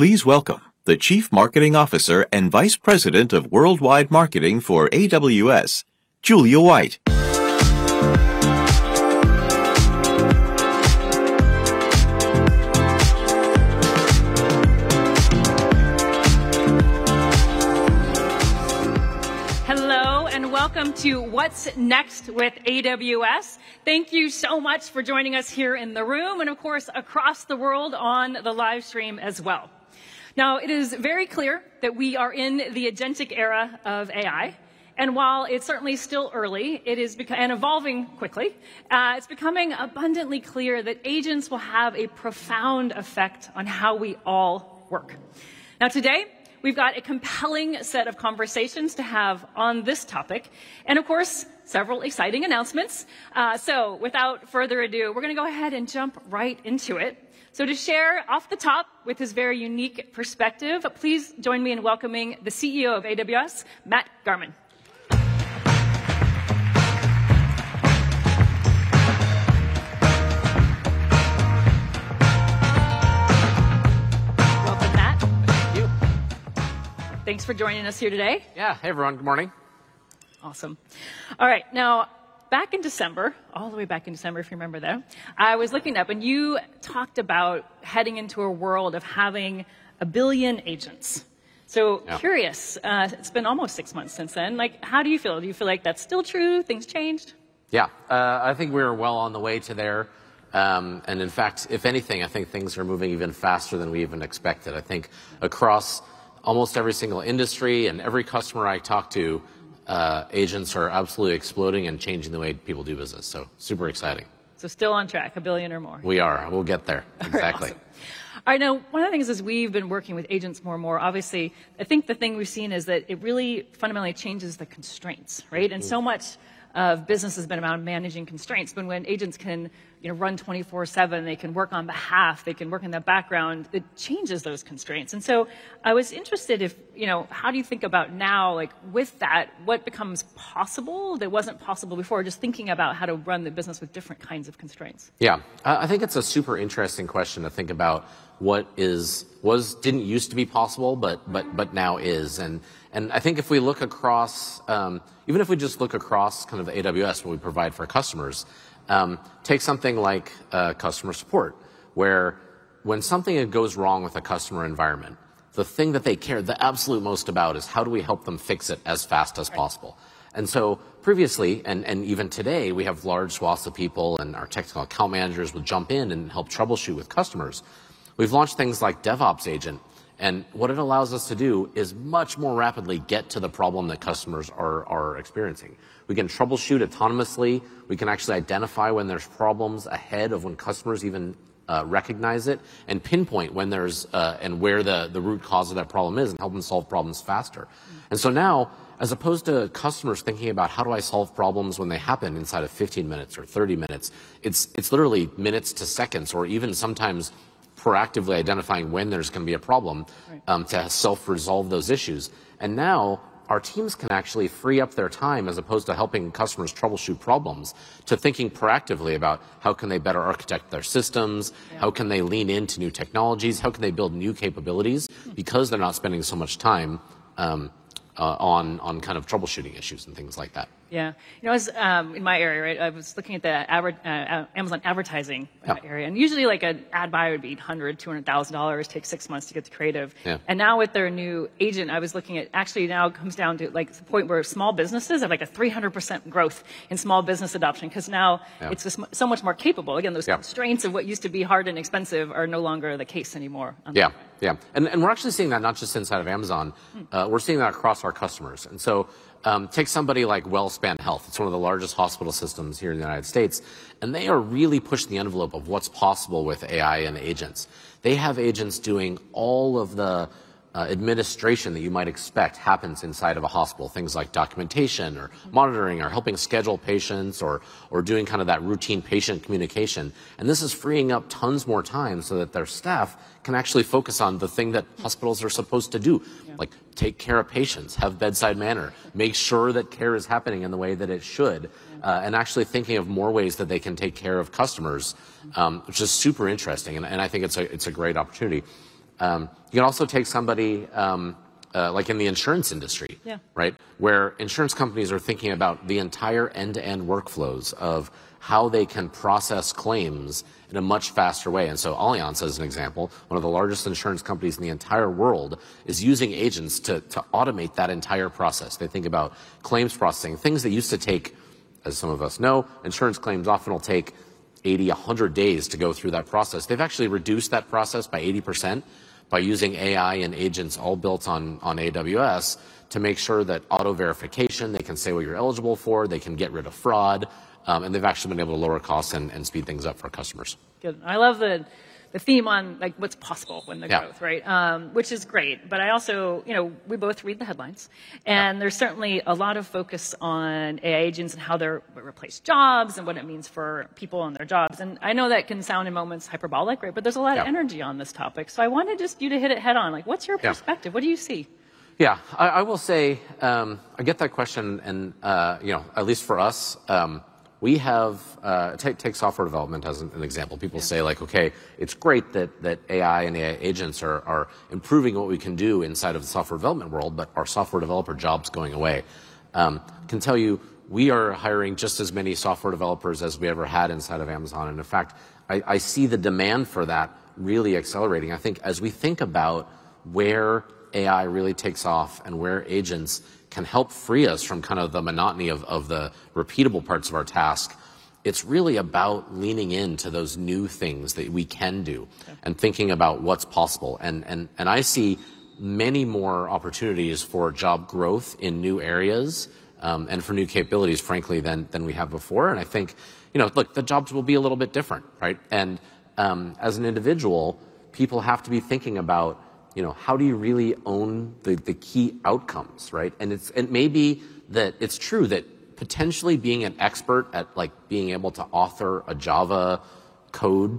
Please welcome the Chief Marketing Officer and Vice President of worldwide marketing for AWS, Julia White. Hello, welcome to What's Next with AWS. Thank you so much for joining us here in the room and, of course, across the world on the live stream as well. It is very clear that we are in the agentic era of AI, and while it's certainly still early, evolving quickly, it's becoming abundantly clear that agents will have a profound effect on how we all work. Today, we've got a compelling set of conversations to have on this topic, and of course, several exciting announcements. Without further ado, we're gonna go ahead and jump right into it. To share off the top with his very unique perspective, please join me in welcoming the CEO of AWS, Matt Garman. Welcome, Matt. Thank you. Thanks for joining us here today. Yeah. Hey, everyone. Good morning. Awesome. All right. Now, back in December, all the way back in December, if you remember then, I was looking up, and you talked about heading into a world of having a billion agents. Yeah. Curious, it's been almost six months since then, like how do you feel? Do you feel like that's still true? Things changed? Yeah. I think we are well on the way to there. In fact, if anything, I think things are moving even faster than we even expected. I think across almost every single industry and every customer I talk to, agents are absolutely exploding and changing the way people do business, so super exciting. Still on track, $1 billion or more. We are. We'll get there. Awesome. Exactly. All right. Now, one of the things is we've been working with agents more and more, obviously. I think the thing we've seen is that it really fundamentally changes the constraints, right? So much of business has been about managing constraints, but when agents can, you know, run 24/7, they can work on behalf, they can work in the background, it changes those constraints. I was interested if, you know, how do you think about now, like with that, what becomes possible that wasn't possible before? Just thinking about how to run the business with different kinds of constraints. Yeah. I think it's a super interesting question to think about what didn't used to be possible, but now is. I think if we look across, even if we just look across kind of AWS, what we provide for customers, take something like customer support, where when something goes wrong with a customer environment, the thing that they care the absolute most about is how do we help them fix it as fast as possible. Right. Previously, and even today, we have large swaths of people, and our technical account managers would jump in and help troubleshoot with customers. We've launched things like AWS DevOps Agent, and what it allows us to do is much more rapidly get to the problem that customers are experiencing. We can troubleshoot autonomously. We can actually identify when there's problems ahead of when customers even recognize it and pinpoint when there's and where the root cause of that problem is and help them solve problems faster. Now, as opposed to customers thinking about how do I solve problems when they happen inside of 15 minutes or 30 minutes, it's literally minutes to seconds or even sometimes proactively identifying when there's gonna be a problem. Right... to self-resolve those issues. Now our teams can actually free up their time as opposed to helping customers troubleshoot problems, to thinking proactively about how can they better architect their systems. Yeah how can they lean into new technologies, how can they build new capabilities because they're not spending so much time on kind of troubleshooting issues and things like that. Yeah. You know, as in my area, right, I was looking at the Amazon Advertising area. Yeah. Usually like an ad buy would be $100,000-$200,000, take six months to get to creative. Yeah. With their new agent, I was looking at actually now it comes down to like the point where small businesses have like a 300% growth in small business adoption. Yeah it's just so much more capable. Yeah Constraints of what used to be hard and expensive are no longer the case anymore. Yeah. Yeah. We're actually seeing that not just inside of Amazon. We're seeing that across our customers. Take somebody like WellSpan Health. It's one of the largest hospital systems here in the United States, and they are really pushing the envelope of what's possible with AI and agents. They have agents doing all of the administration that you might expect happens inside of a hospital, things like documentation or monitoring or helping schedule patients or doing kind of that routine patient communication. This is freeing up tons more time so that their staff can actually focus on the thing that hospitals are supposed to do. Yeah. Like take care of patients, have bedside manner, make sure that care is happening in the way that it should. Actually thinking of more ways that they can take care of customers, which is super interesting, and, I think it's a, it's a great opportunity. You can also take somebody, like in the insurance industry. Yeah right? Where insurance companies are thinking about the entire end-to-end workflows of how they can process claims in a much faster way. Allianz, as an example, one of the largest insurance companies in the entire world, is using agents to automate that entire process. They think about claims processing, things that used to take, as some of us know, insurance claims often will take 80, 100 days to go through that process. They've actually reduced that process by 80% by using AI and agents all built on AWS to make sure that auto verification, they can say what you're eligible for, they can get rid of fraud, and they've actually been able to lower costs and speed things up for customers. Good. I love the theme on, like, what's possible when the growth. Yeah right? Which is great. You know, we both read the headlines. Yeah. There's certainly a lot of focus on AI agents and how they're gonna replace jobs and what it means for people and their jobs. I know that can sound in moments hyperbolic, right? Yeah... energy on this topic. I wanted just you to hit it head on. Like, what's your perspective? Yeah. What do you see? Yeah. I will say, I get that question and, you know, at least for us. We have, take software development as an example. Yeah. People say, like, "Okay, it's great that AI and AI agents are improving what we can do inside of the software development world, are software developer jobs going away?" Can tell you we are hiring just as many software developers as we ever had inside of Amazon. In fact, I see the demand for that really accelerating. I think as we think about where AI really takes off and where agents can help free us from kind of the monotony of the repeatable parts of our task, it's really about leaning into those new things that we can do. Yeah. Thinking about what's possible. I see many more opportunities for job growth in new areas, and for new capabilities, frankly, than we have before. I think, you know, look, the jobs will be a little bit different, right? As an individual, people have to be thinking about, you know, how do you really own the key outcomes, right? It may be that it's true that potentially being an expert at, like, being able to author a Java code.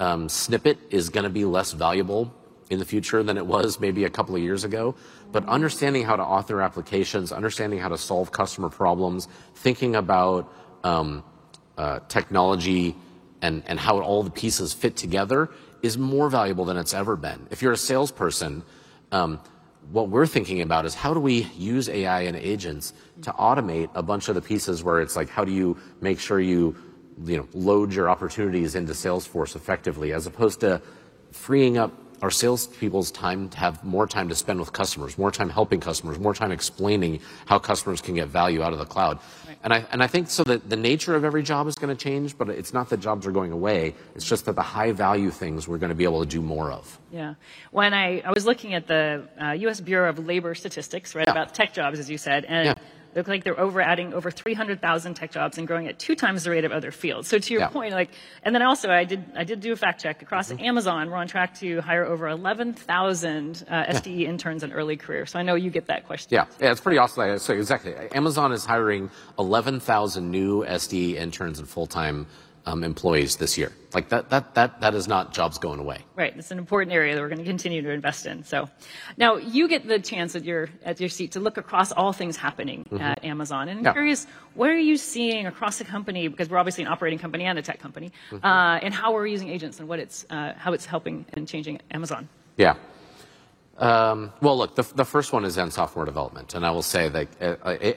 Yeah. snippet is gonna be less valuable in the future than it was maybe a couple of years ago. Understanding how to author applications, understanding how to solve customer problems, thinking about technology and how all the pieces fit together is more valuable than it's ever been. If you're a salesperson, what we're thinking about is how do we use AI and agents to automate a bunch of the pieces where it's like, how do you make sure you load your opportunities into Salesforce effectively as opposed to freeing up our sales people's time to have more time to spend with customers, more time helping customers, more time explaining how customers can get value out of the cloud. Right. I think so that the nature of every job is gonna change, but it's not that jobs are going away. It's just that the high-value things we're gonna be able to do more of. Yeah. When I was looking at the U.S. Bureau of Labor Statistics. Yeah. right about tech jobs, as you said. Yeah. Looked like they're over adding over 300,000 tech jobs and growing at 2x the rate of other fields. Yeah. To your point, like. Also I did do a fact check. Across Amazon, we're on track to hire over 11,000. Yeah. SDE interns in early career. I know you get that question. Yeah. Yeah, it's pretty awesome. Exactly. Amazon is hiring 11,000 new SDE interns and full-time employees this year. Like, that is not jobs going away. Right. It's an important area that we're gonna continue to invest in. Now you get the chance at your, at your seat to look across all things happening. at Amazon. Yeah. I'm curious, what are you seeing across the company? We're obviously an operating company and a tech company. How are we using agents and how it's helping and changing Amazon? Yeah. Well, look, the first one is in software development, and I will say that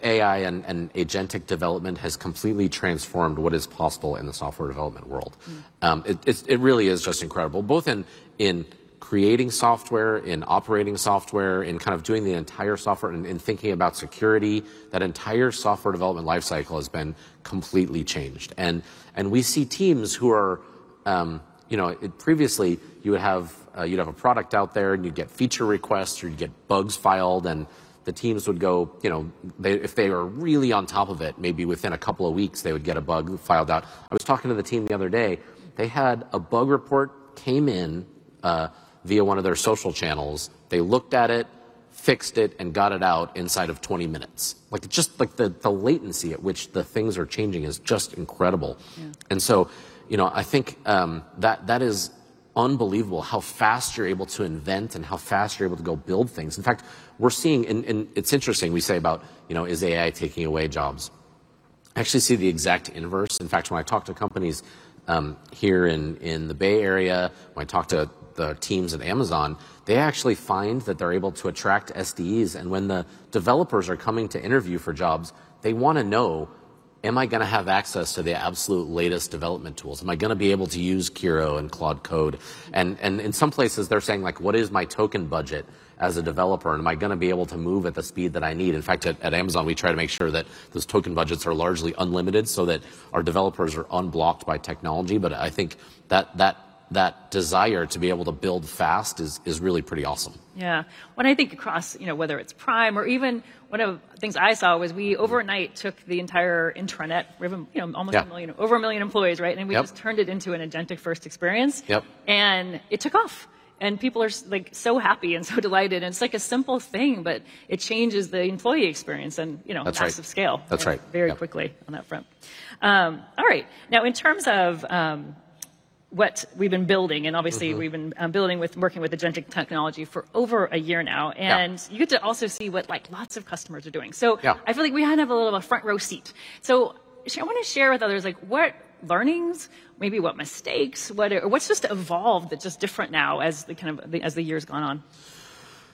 AI and agentic development has completely transformed what is possible in the software development world. It really is just incredible, both in creating software, in operating software, in kind of doing the entire software and in thinking about security. That entire software development life cycle has been completely changed. We see teams who are, you know. Previously, you would have, you'd have a product out there, and you'd get feature requests, or you'd get bugs filed, and the teams would go, you know, if they were really on top of it, maybe within a couple of weeks, they would get a bug filed out. I was talking to the team the other day. They had a bug report came in, via one of their social channels. They looked at it, fixed it, and got it out inside of 20 minutes. Just, like, the latency at which the things are changing is just incredible. Yeah. You know, I think that is unbelievable how fast you're able to invent and how fast you're able to go build things. It's interesting we say about, you know, is AI taking away jobs. I actually see the exact inverse. When I talk to companies here in the Bay Area, when I talk to the teams at Amazon, they actually find that they're able to attract SDEs, and when the developers are coming to interview for jobs, they wanna know, am I gonna have access to the absolute latest development tools? Am I gonna be able to use Kiro and Claude Code? In some places they're saying, like, "What is my token budget as a developer, and am I gonna be able to move at the speed that I need?" In fact, at Amazon, we try to make sure that those token budgets are largely unlimited so that our developers are unblocked by technology. I think that desire to be able to build fast is really pretty awesome. Yeah. When I think across, you know, whether it's Prime or even one of things I saw was we overnight took the entire intranet. We have. Yeah. almost 1 million, over 1 million employees, right? Yep. We just turned it into an agentic first experience. Yep. It took off, and people are like so happy and so delighted, and it's like a simple thing, but it changes the employee experience and, you know. That's right. massive scale That's right. Yeah. Very quickly on that front. All right. Now, in terms of, what we've been building. Obviously we've been working with agentic technology for over a year now. Yeah. You get to also see what, like, lots of customers are doing. Yeah. I feel like we kind of have a little of a front row seat. I wanna share with others, like, what learnings, maybe what mistakes, what's just evolved that's just different now as the years gone on?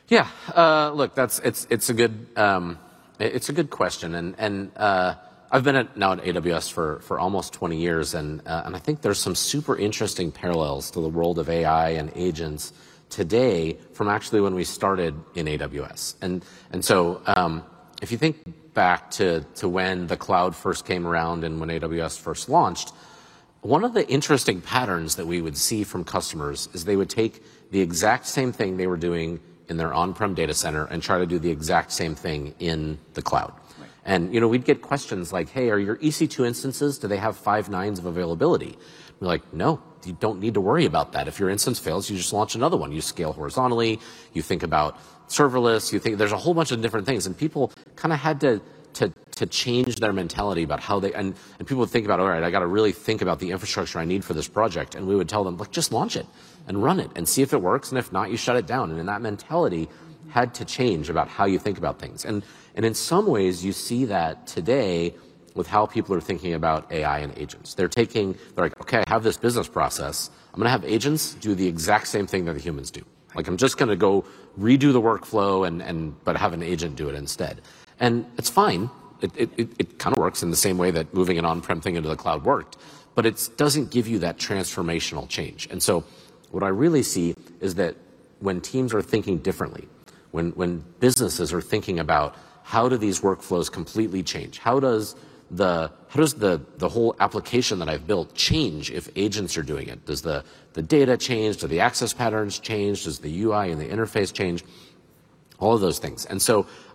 Yeah. Look, that's a good question. I've been at now at AWS for almost 20 years. I think there's some super interesting parallels to the world of AI and agents today from actually when we started in AWS. If you think back to when the cloud first came around and when AWS first launched, one of the interesting patterns that we would see from customers is they would take the exact same thing they were doing in their on-prem data center and try to do the exact same thing in the cloud. Right. You know, we'd get questions like, "Hey, are your EC2 instances, do they have five nines of availability?" We're like, "No, you don't need to worry about that. If your instance fails, you just launch another one. You scale horizontally, you think about serverless, you think. There's a whole bunch of different things, and people kind of had to change their mentality about how they. People would think about, "All right. I gotta really think about the infrastructure I need for this project." We would tell them, "Look, just launch it and run it and see if it works, and if not, you shut it down." Then that mentality had to change about how you think about things. In some ways, you see that today with how people are thinking about AI and agents. They're taking, like, "Okay. I have this business process. I'm gonna have agents do the exact same thing that the humans do. Right. Like, I'm just gonna go redo the workflow and have an agent do it instead. It's fine. It kind of works in the same way that moving an on-prem thing into the cloud worked, it doesn't give you that transformational change. What I really see is that when teams are thinking differently, when businesses are thinking about how do these workflows completely change? How does the whole application that I've built change if agents are doing it? Does the data change? Do the access patterns change? Does the UI and the interface change? All of those things.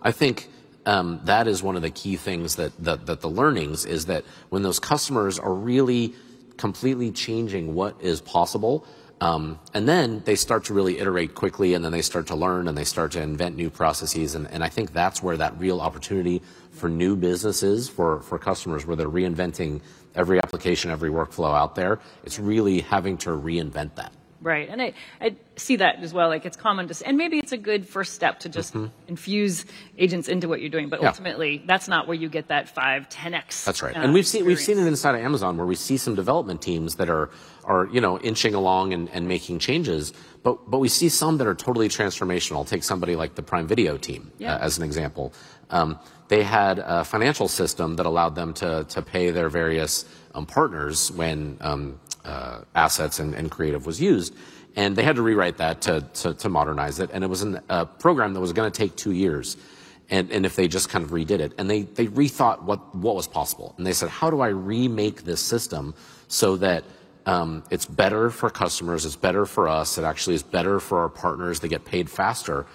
I think that is one of the key things that, the learnings is that when those customers are really completely changing what is possible, and then they start to really iterate quickly, and then they start to learn, and they start to invent new processes. I think that's where that real opportunity for new business is for customers, where they're reinventing every application, every workflow out there. It's really having to reinvent that. Right. I see that as well. Like it's common to. Maybe it's a good first step to. infuse agents into what you're doing. Yeah. Ultimately, that's not where you get that 5, 10x. That's right.... experience. We've seen it inside of Amazon, where we see some development teams that are, you know, inching along and making changes, but we see some that are totally transformational. Take somebody like the Prime Video team- Yeah... as an example. They had a financial system that allowed them to pay their various partners when assets and creative was used, and they had to rewrite that to modernize it, and it was in a program that was going to take two years. If they just kind of redid it. They rethought what was possible. They said, "How do I remake this system so that it's better for customers, it's better for us, it actually is better for our partners. They get paid faster.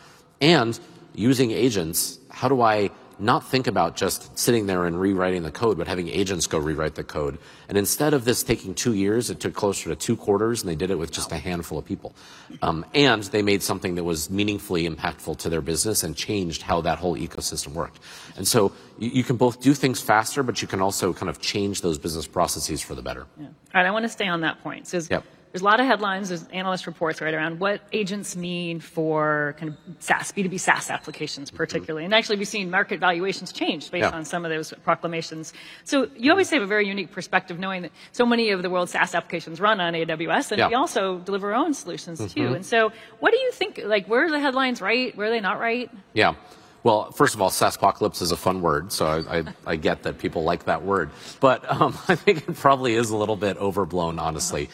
Using agents, how do I not think about just sitting there and rewriting the code, but having agents go rewrite the code?" Instead of this taking 2 years, it took closer to twotwo quarters, and they did it with just a handful of people. They made something that was meaningfully impactful to their business and changed how that whole ecosystem worked. You can both do things faster, but you can also kind of change those business processes for the better. Yeah. All right, I wanna stay on that point. Yeah. There's a lot of headlines, there's analyst reports right around what agents mean for kind of SaaS, B2B SaaS applications particularly. actually, we've seen market valuations change. Yeah based on some of those proclamations. You always have a very unique perspective, knowing that so many of the world's SaaS applications run on AWS. Yeah. You also deliver your own solutions too. What do you think? Like, were the headlines right? Were they not right? Yeah. Well, first of all, SaaSpocalypse is a fun word. I get that people like that word. I think it probably is a little bit overblown, honestly.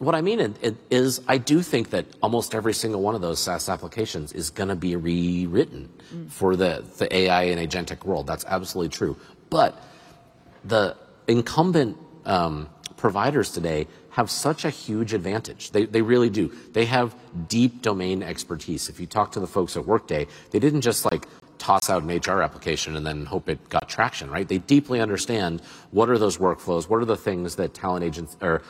What I mean is, I do think that almost every single one of those SaaS applications is gonna be rewritten-... for the AI and agentic world. That's absolutely true. The incumbent providers today have such a huge advantage. They really do. They have deep domain expertise. If you talk to the folks at Workday, they didn't just like toss out an HR application and then hope it got traction, right? They deeply understand what are those workflows, what are the things that talent agents or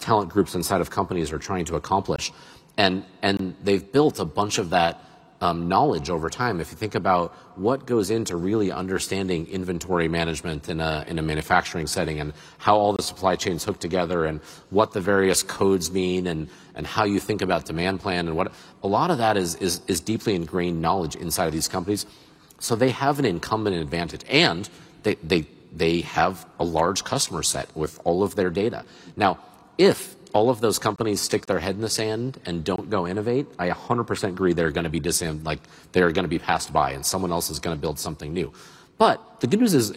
talent groups inside of companies are trying to accomplish. They've built a bunch of that knowledge over time. If you think about what goes into really understanding inventory management in a, in a manufacturing setting, and how all the supply chains hook together and what the various codes mean and how you think about demand plan. A lot of that is deeply ingrained knowledge inside of these companies, so they have an incumbent advantage. They have a large customer set with all of their data. Now, if all of those companies stick their head in the sand and don't go innovate, I 100% agree they're gonna be passed by, and someone else is gonna build something new. The good news is,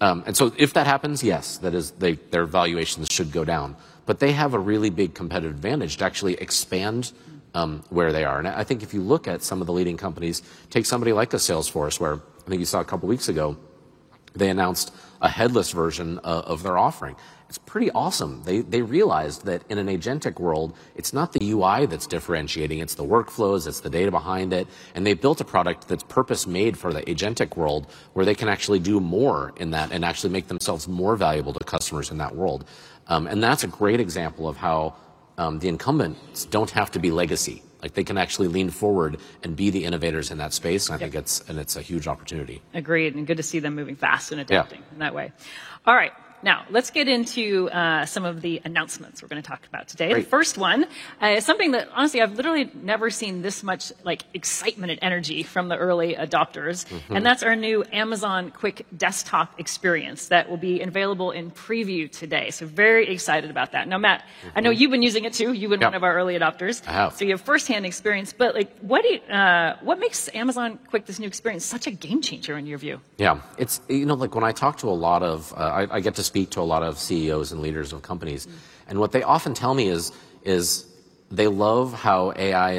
if that happens, yes, that is, their valuations should go down. They have a really big competitive advantage to actually expand where they are. I think if you look at some of the leading companies, take somebody like a Salesforce, where you saw a couple of weeks ago they announced a headless version of their offering. It's pretty awesome. They realized that in an agentic world, it's not the UI that's differentiating, it's the workflows, it's the data behind it, and they built a product that's purpose-made for the agentic world, where they can actually do more in that and actually make themselves more valuable to customers in that world. That's a great example of how the incumbents don't have to be legacy. They can actually lean forward and be the innovators in that space. Yeah. I think it's, and it's a huge opportunity. Agreed, good to see them moving fast and adapting. Yeah in that way. All right. Let's get into some of the announcements we're gonna talk about today. Great. The first one, is something that honestly, I've literally never seen this much, like, excitement and energy from the early adopters. That's our new Amazon Q desktop experience that will be available in preview today. Very excited about that. I know you've been using it too. Yeah. You've been one of our early adopters. I have. You have firsthand experience. Like, what makes Amazon Q, this new experience, such a game changer in your view? Yeah. It's, you know, like when I talk to a lot of, I get to speak to a lot of CEOs and leaders of companies. What they often tell me is they love how AI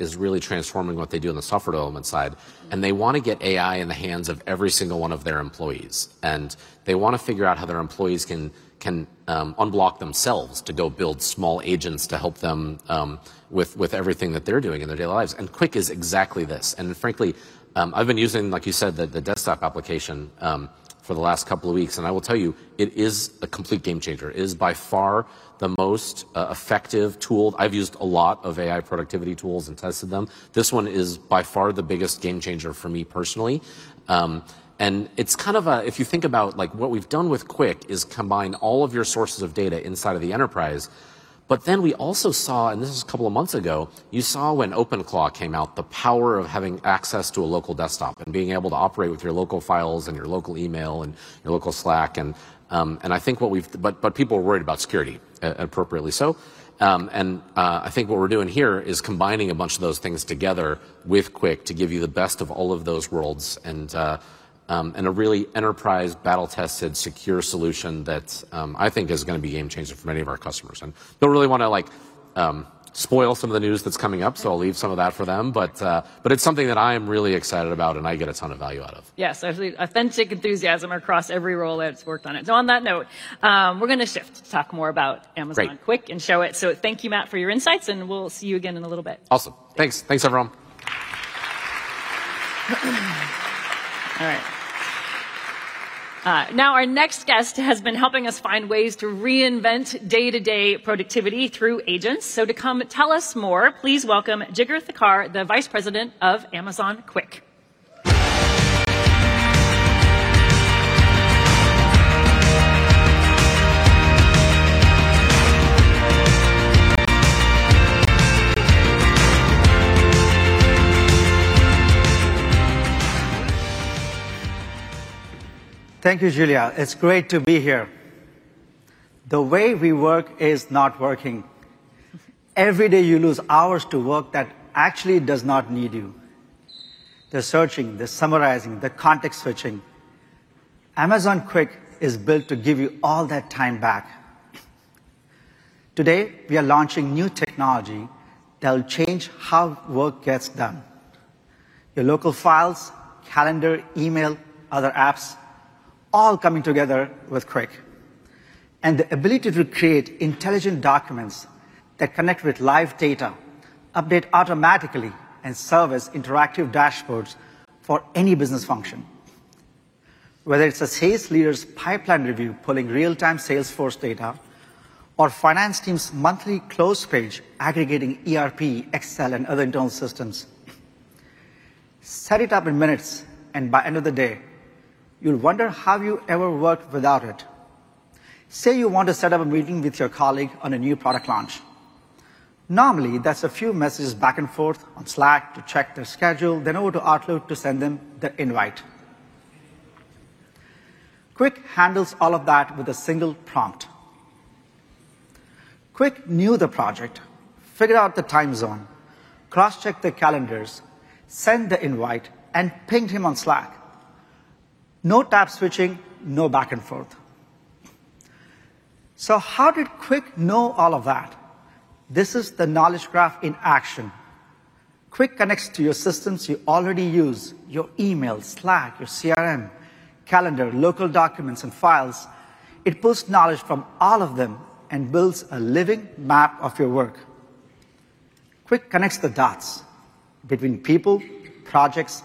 is really transforming what they do on the software development side. They wanna get AI in the hands of every single one of their employees, and they wanna figure out how their employees can unblock themselves to go build small agents to help them with everything that they're doing in their daily lives. Q is exactly this. Frankly, I've been using, like you said, the desktop application for the last couple of weeks, and I will tell you, it is a complete game changer. It is by far the most effective tool. I've used a lot of AI productivity tools and tested them. This one is by far the biggest game changer for me personally. It's kind of a, if you think about, like what we've done with Q is combine all of your sources of data inside of the enterprise. We also saw, and this is a couple of months ago, you saw when OpenClaw came out, the power of having access to a local desktop and being able to operate with your local files and your local email and your local Slack. But people are worried about security, appropriately so. I think what we're doing here is combining a bunch of those things together with Q to give you the best of all of those worlds and a really enterprise battle-tested, secure solution that I think is gonna be a game changer for many of our customers. Don't really wanna like spoil some of the news that's coming up, so I'll leave some of that for them. But it's something that I am really excited about, and I get a ton of value out of. Yes, absolutely authentic enthusiasm across every role that's worked on it. On that note, we're gonna shift to talk more about Amazon. Great. Q and show it. Thank you, Matt, for your insights, and we'll see you again in a little bit. Awesome. Thanks. Thanks, everyone. All right. Now our next guest has been helping us find ways to reinvent day-to-day productivity through agents. To come tell us more, please welcome Jigar Thakkar, the Vice President of Amazon Q. Thank you, Julia. It's great to be here. The way we work is not working. Every day you lose hours to work that actually does not need you. The searching, the summarizing, the context switching. Amazon Q is built to give you all that time back. Today, we are launching new technology that will change how work gets done. Your local files, calendar, email, other apps, all coming together with Q. The ability to create intelligent documents that connect with live data, update automatically, and serve as interactive dashboards for any business function. Whether it's a sales leader's pipeline review pulling real-time Salesforce data or finance team's monthly close page aggregating ERP, Excel, and other internal systems. Set it up in minutes, and by end of the day, you'll wonder how you ever worked without it. Say you want to set up a meeting with your colleague on a new product launch. Normally, that's a few messages back and forth on Slack to check their schedule, then over to Outlook to send them the invite. Q handles all of that with a single prompt. Q knew the project, figured out the time zone, cross-checked their calendars, sent the invite, and pinged him on Slack. No tab switching, no back and forth. How did Q know all of that? This is the Knowledge Graph in action. Q connects to your systems you already use, your email, Slack, your CRM, calendar, local documents, and files. It pulls knowledge from all of them and builds a living map of your work. Q connects the dots between people, projects,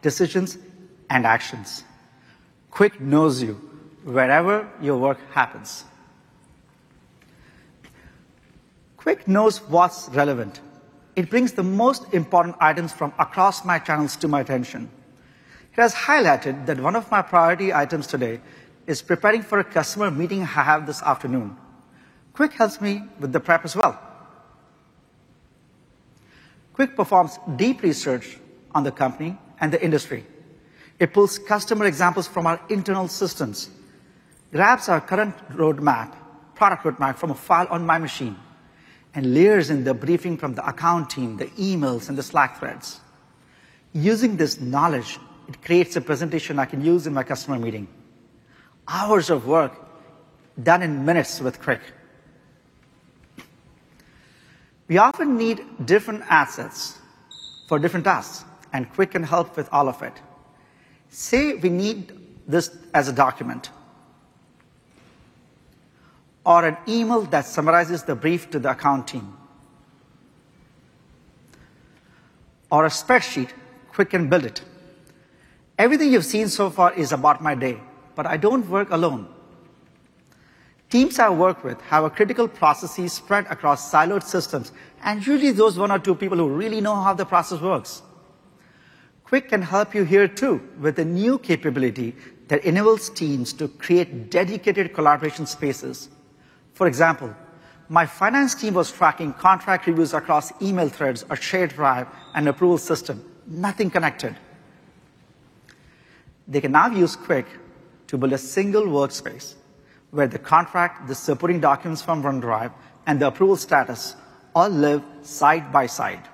decisions, and actions. Q knows you wherever your work happens. Q knows what's relevant. It brings the most important items from across my channels to my attention. It has highlighted that one of my priority items today is preparing for a customer meeting I have this afternoon. Quick helps me with the prep as well. Quick performs deep research on the company and the industry. It pulls customer examples from our internal systems, grabs our current roadmap, product roadmap from a file on my machine, and layers in the briefing from the account team, the emails, and the Slack threads. Using this knowledge, it creates a presentation I can use in my customer meeting. Hours of work done in minutes with Quick. We often need different assets for different tasks, and Quick can help with all of it. Say we need this as a document or an email that summarizes the brief to the account team or a spreadsheet, Quick can build it. Everything you've seen so far is about my day, but I don't work alone. Teams I work with have critical processes spread across siloed systems, and usually there's one or two people who really know how the process works. Amazon Q can help you here too, with a new capability that enables teams to create dedicated collaboration spaces. For example, my finance team was tracking contract reviews across email threads, a shared drive, an approval system, nothing connected. They can now use Amazon Q to build a single workspace where the contract, the supporting documents from OneDrive, and the approval status all live side by side.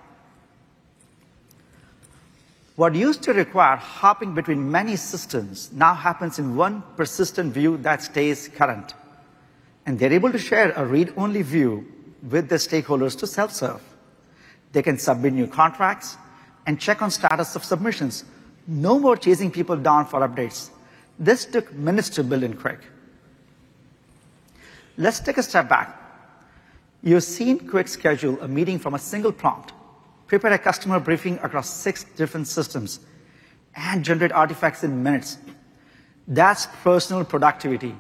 What used to require hopping between many systems now happens in one persistent view that stays current, and they're able to share a read-only view with the stakeholders to self-serve. They can submit new contracts and check on status of submissions. No more chasing people down for updates. This took minutes to build in Q. Let's take a step back. You've seen Q schedule a meeting from a single prompt, prepare a customer briefing across six different systems, and generate artifacts in minutes. That's personal productivity.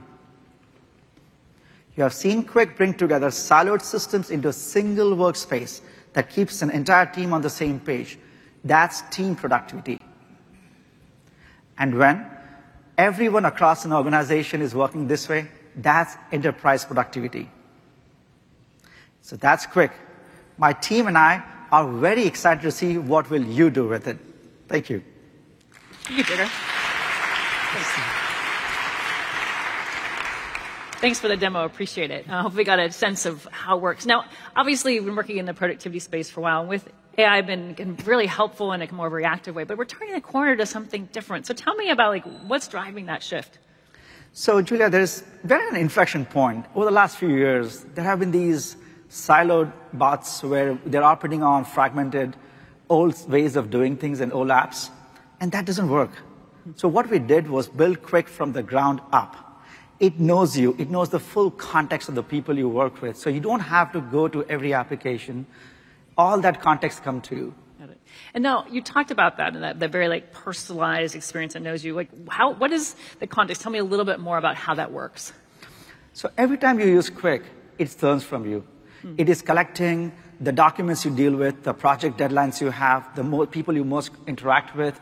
You have seen Q bring together siloed systems into a single workspace that keeps an entire team on the same page. That's team productivity. When everyone across an organization is working this way, that's enterprise productivity. That's Q. My team and I are very excited to see what will you do with it. Thank you. Thank you, Jigar. Thanks for the demo. Appreciate it. Hopefully we got a sense of how it works. Obviously you've been working in the productivity space for a while, and with AI been really helpful in a more reactive way, but we're turning a corner to something different. Tell me about like what's driving that shift? Julia, there's been an inflection point over the last few years. There have been these siloed bots where they're operating on fragmented, old ways of doing things and old apps, and that doesn't work. What we did was build Q from the ground up. It knows you, it knows the full context of the people you work with, so you don't have to go to every application. All that context come to you. Got it. Now you talked about that very like personalized experience that knows you. What is the context? Tell me a little bit more about how that works. Every time you use Q, it learns from you. It is collecting the documents you deal with, the project deadlines you have, the people you most interact with,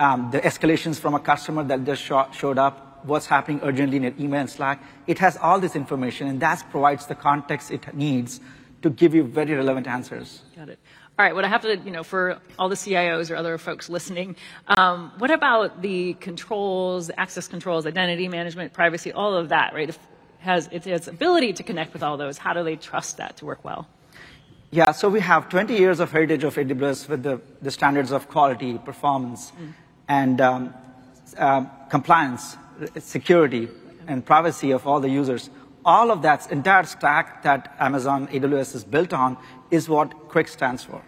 the escalations from a customer that just showed up, what's happening urgently in an email and Slack. It has all this information, that provides the context it needs to give you very relevant answers. Got it. All right. What I have to, you know, for all the CIOs or other folks listening, what about the controls, access controls, identity management, privacy, all of that, right? If it has its ability to connect with all those, how do they trust that to work well? Yeah. We have 20 years of heritage of AWS with the standards of quality, performance. compliance, security and privacy of all the users. All of that entire stack that Amazon AWS is built on is what Amazon Q stands for.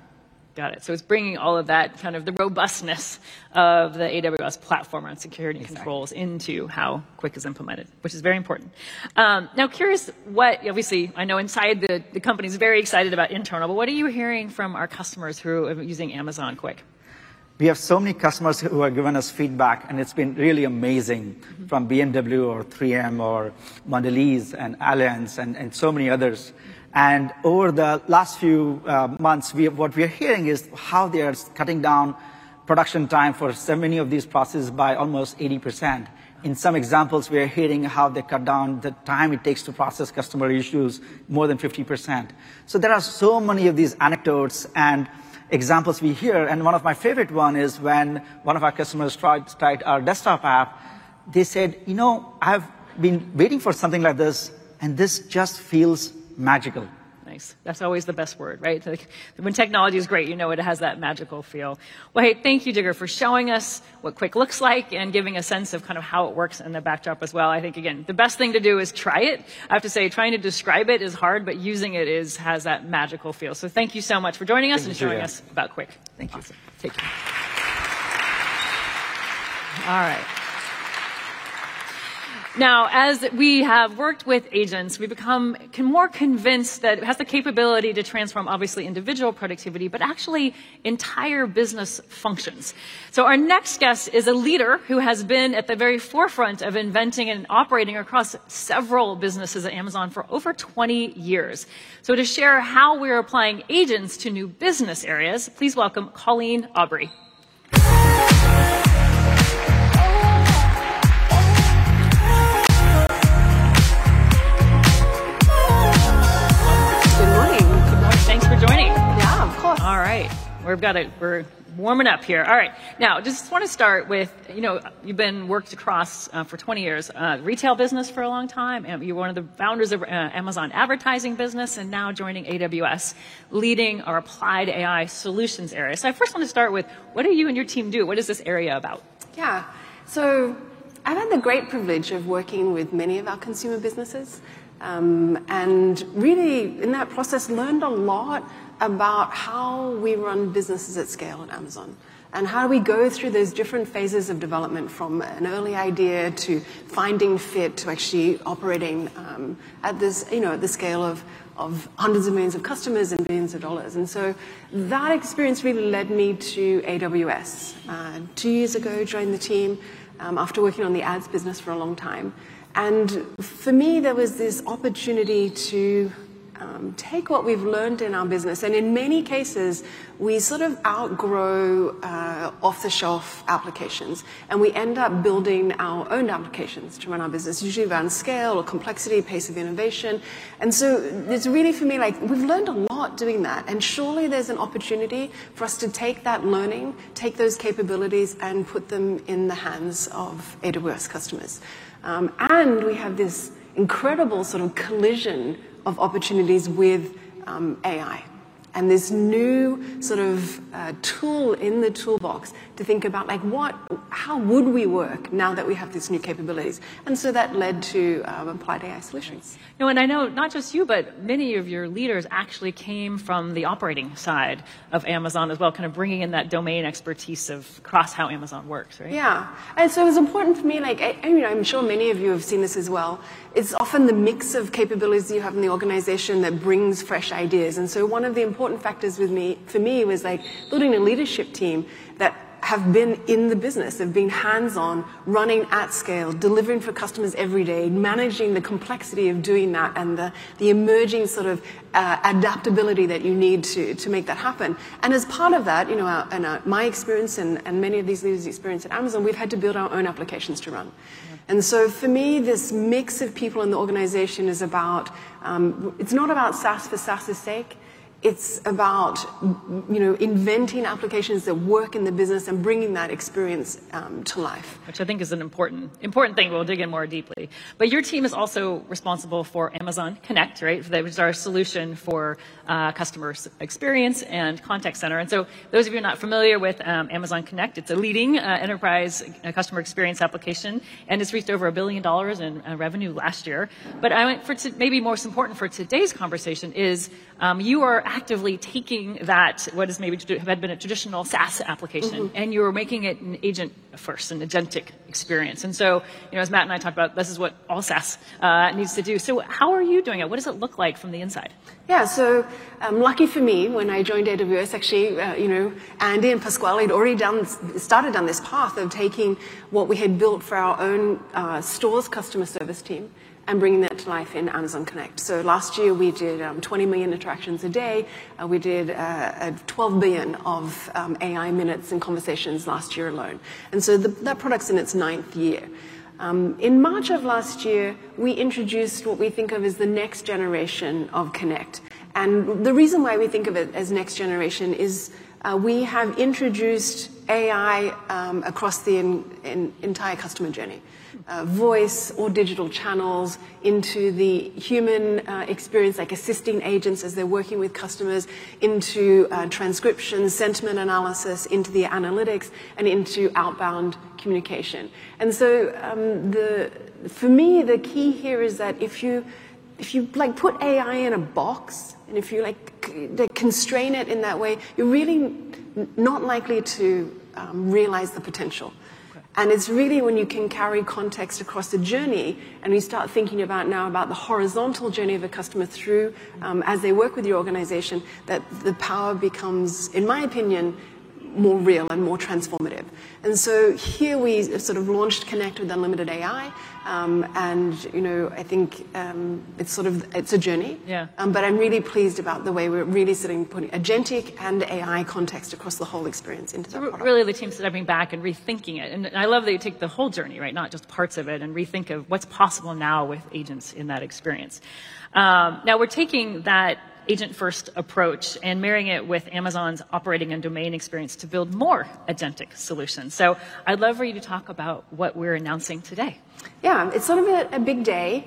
Got it. It's bringing all of that kind of the robustness of the AWS platform and security controls. Exactly into how Q is implemented, which is very important. Now curious obviously I know inside the company's very excited about internal, but what are you hearing from our customers who are using Amazon Q? We have so many customers who have given us feedback, and it's been really amazing. From BMW or 3M or Mondelēz and Allianz and so many others. Over the last few months, what we are hearing is how they are cutting down production time for so many of these processes by almost 80%. In some examples, we are hearing how they cut down the time it takes to process customer issues more than 50%. There are so many of these anecdotes and examples we hear, and one of my favorite one is when one of our customers tried our desktop app. They said, "You know, I've been waiting for something like this, and this just feels magical. Nice. That's always the best word, right? Like when technology is great, you know, it has that magical feel. Well, hey, thank you Jigar for showing us what Q looks like and giving a sense of kind of how it works in the backdrop as well. I think again, the best thing to do is try it. I have to say, trying to describe it is hard, but using it is, has that magical feel. Thank you so much for joining us. Thank you, Julia. Showing us about Q. Thank you. Awesome. Take care. All right. Now as we have worked with agents, we've become more convinced that it has the capability to transform obviously individual productivity, but actually entire business functions. Our next guest is a leader who has been at the very forefront of inventing and operating across several businesses at Amazon for over 20 years. To share how we're applying agents to new business areas, please welcome Colleen Aubrey. Good morning. Good morning. Thanks for joining. Yeah, of course. All right. We're warming up here. All right. Now, just wanna start with, you know, you've been worked across for 20 years retail business for a long time. You're one of the founders of Amazon Advertising and now joining AWS leading our Applied AI Solutions area. I first wanna start with, what do you and your team do? What is this area about? Yeah. I've had the great privilege of working with many of our consumer businesses, and really in that process learned a lot about how we run businesses at scale at Amazon, and how we go through those different phases of development from an early idea to finding fit, to actually operating at this, at the scale of hundreds of millions of customers and billions of dollars. That experience really led me to AWS. Two years ago, joined the team after working on the ads business for a long time. For me, there was this opportunity to take what we've learned in our business, and in many cases, we sort of outgrow off-the-shelf applications, and we end up building our own applications to run our business usually around scale or complexity, pace of innovation. It's really for me, like we've learned a lot doing that and surely there's an opportunity for us to take that learning, take those capabilities, and put them in the hands of AWS customers. We have this incredible sort of collision of opportunities with AI. This new sort of tool in the toolbox to think about, like how would we work now that we have these new capabilities? That led to Applied AI Solutions. Now, I know not just you, but many of your leaders actually came from the operating side of Amazon as well, kind of bringing in that domain expertise of across how Amazon works, right? Yeah. It was important for me, like, you know, I'm sure many of you have seen this as well. It's often the mix of capabilities you have in the organization that brings fresh ideas. One of the important factors for me was like building a leadership team that have been in the business, have been hands-on, running at scale, delivering for customers every day, managing the complexity of doing that and the emerging sort of adaptability that you need to make that happen. As part of that, you know, and my experience and many of these leaders' experience at Amazon, we've had to build our own applications to run. For me, this mix of people in the organization is about, it's not about SaaS for SaaS's sake. It's about you know, inventing applications that work in the business and bringing that experience to life. Which I think is an important thing. We'll dig in more deeply. Your team is also responsible for Amazon Connect, right? Which is our solution for customers' experience and contact center. Those of you who are not familiar with Amazon Connect, it's a leading enterprise customer experience application, and it's reached over $1 billion in revenue last year. I meant for maybe more so important for today's conversation is, you are actively taking that, what is maybe had been a traditional SaaS application. You are making it an agent first, an agentic experience. You know, as Matt and I talked about, this is what all SaaS needs to do. How are you doing it? What does it look like from the inside? Lucky for me, when I joined AWS, actually, you know, Andy and Pasquale had already started down this path of taking what we had built for our own stores customer service team and bringing that to life in Amazon Connect. Last year, we did 20 million interactions a day. We did 12 billion of AI minutes in conversations last year alone. That product's in its ninth year. In March of last year, we introduced what we think of as the next generation of Connect. The reason why we think of it as next generation is we have introduced AI across the entire customer journey. Voice or digital channels into the human experience, like assisting agents as they're working with customers into transcription, sentiment analysis, into the analytics, and into outbound communication. For me, the key here is that if you, if you, like, put AI in a box and if you, like, constrain it in that way, you're really not likely to realize the potential. Okay. It's really when you can carry context across the journey and you start thinking about now about the horizontal journey of a customer through, as they work with your organization, that the power becomes, in my opinion, more real and more transformative. Here we sort of launched Connect with unlimited AI. You know, I think, it's a journey. Yeah. I'm really pleased about the way we're really sitting, putting agentic and AI context across the whole experience into the product. Really the team stepping back and rethinking it. I love that you take the whole journey, right? Not just parts of it, and rethink of what's possible now with agents in that experience. Now we're taking that agent first approach and marrying it with Amazon's operating and domain experience to build more agentic solutions. I'd love for you to talk about what we're announcing today. Yeah. It's sort of a big day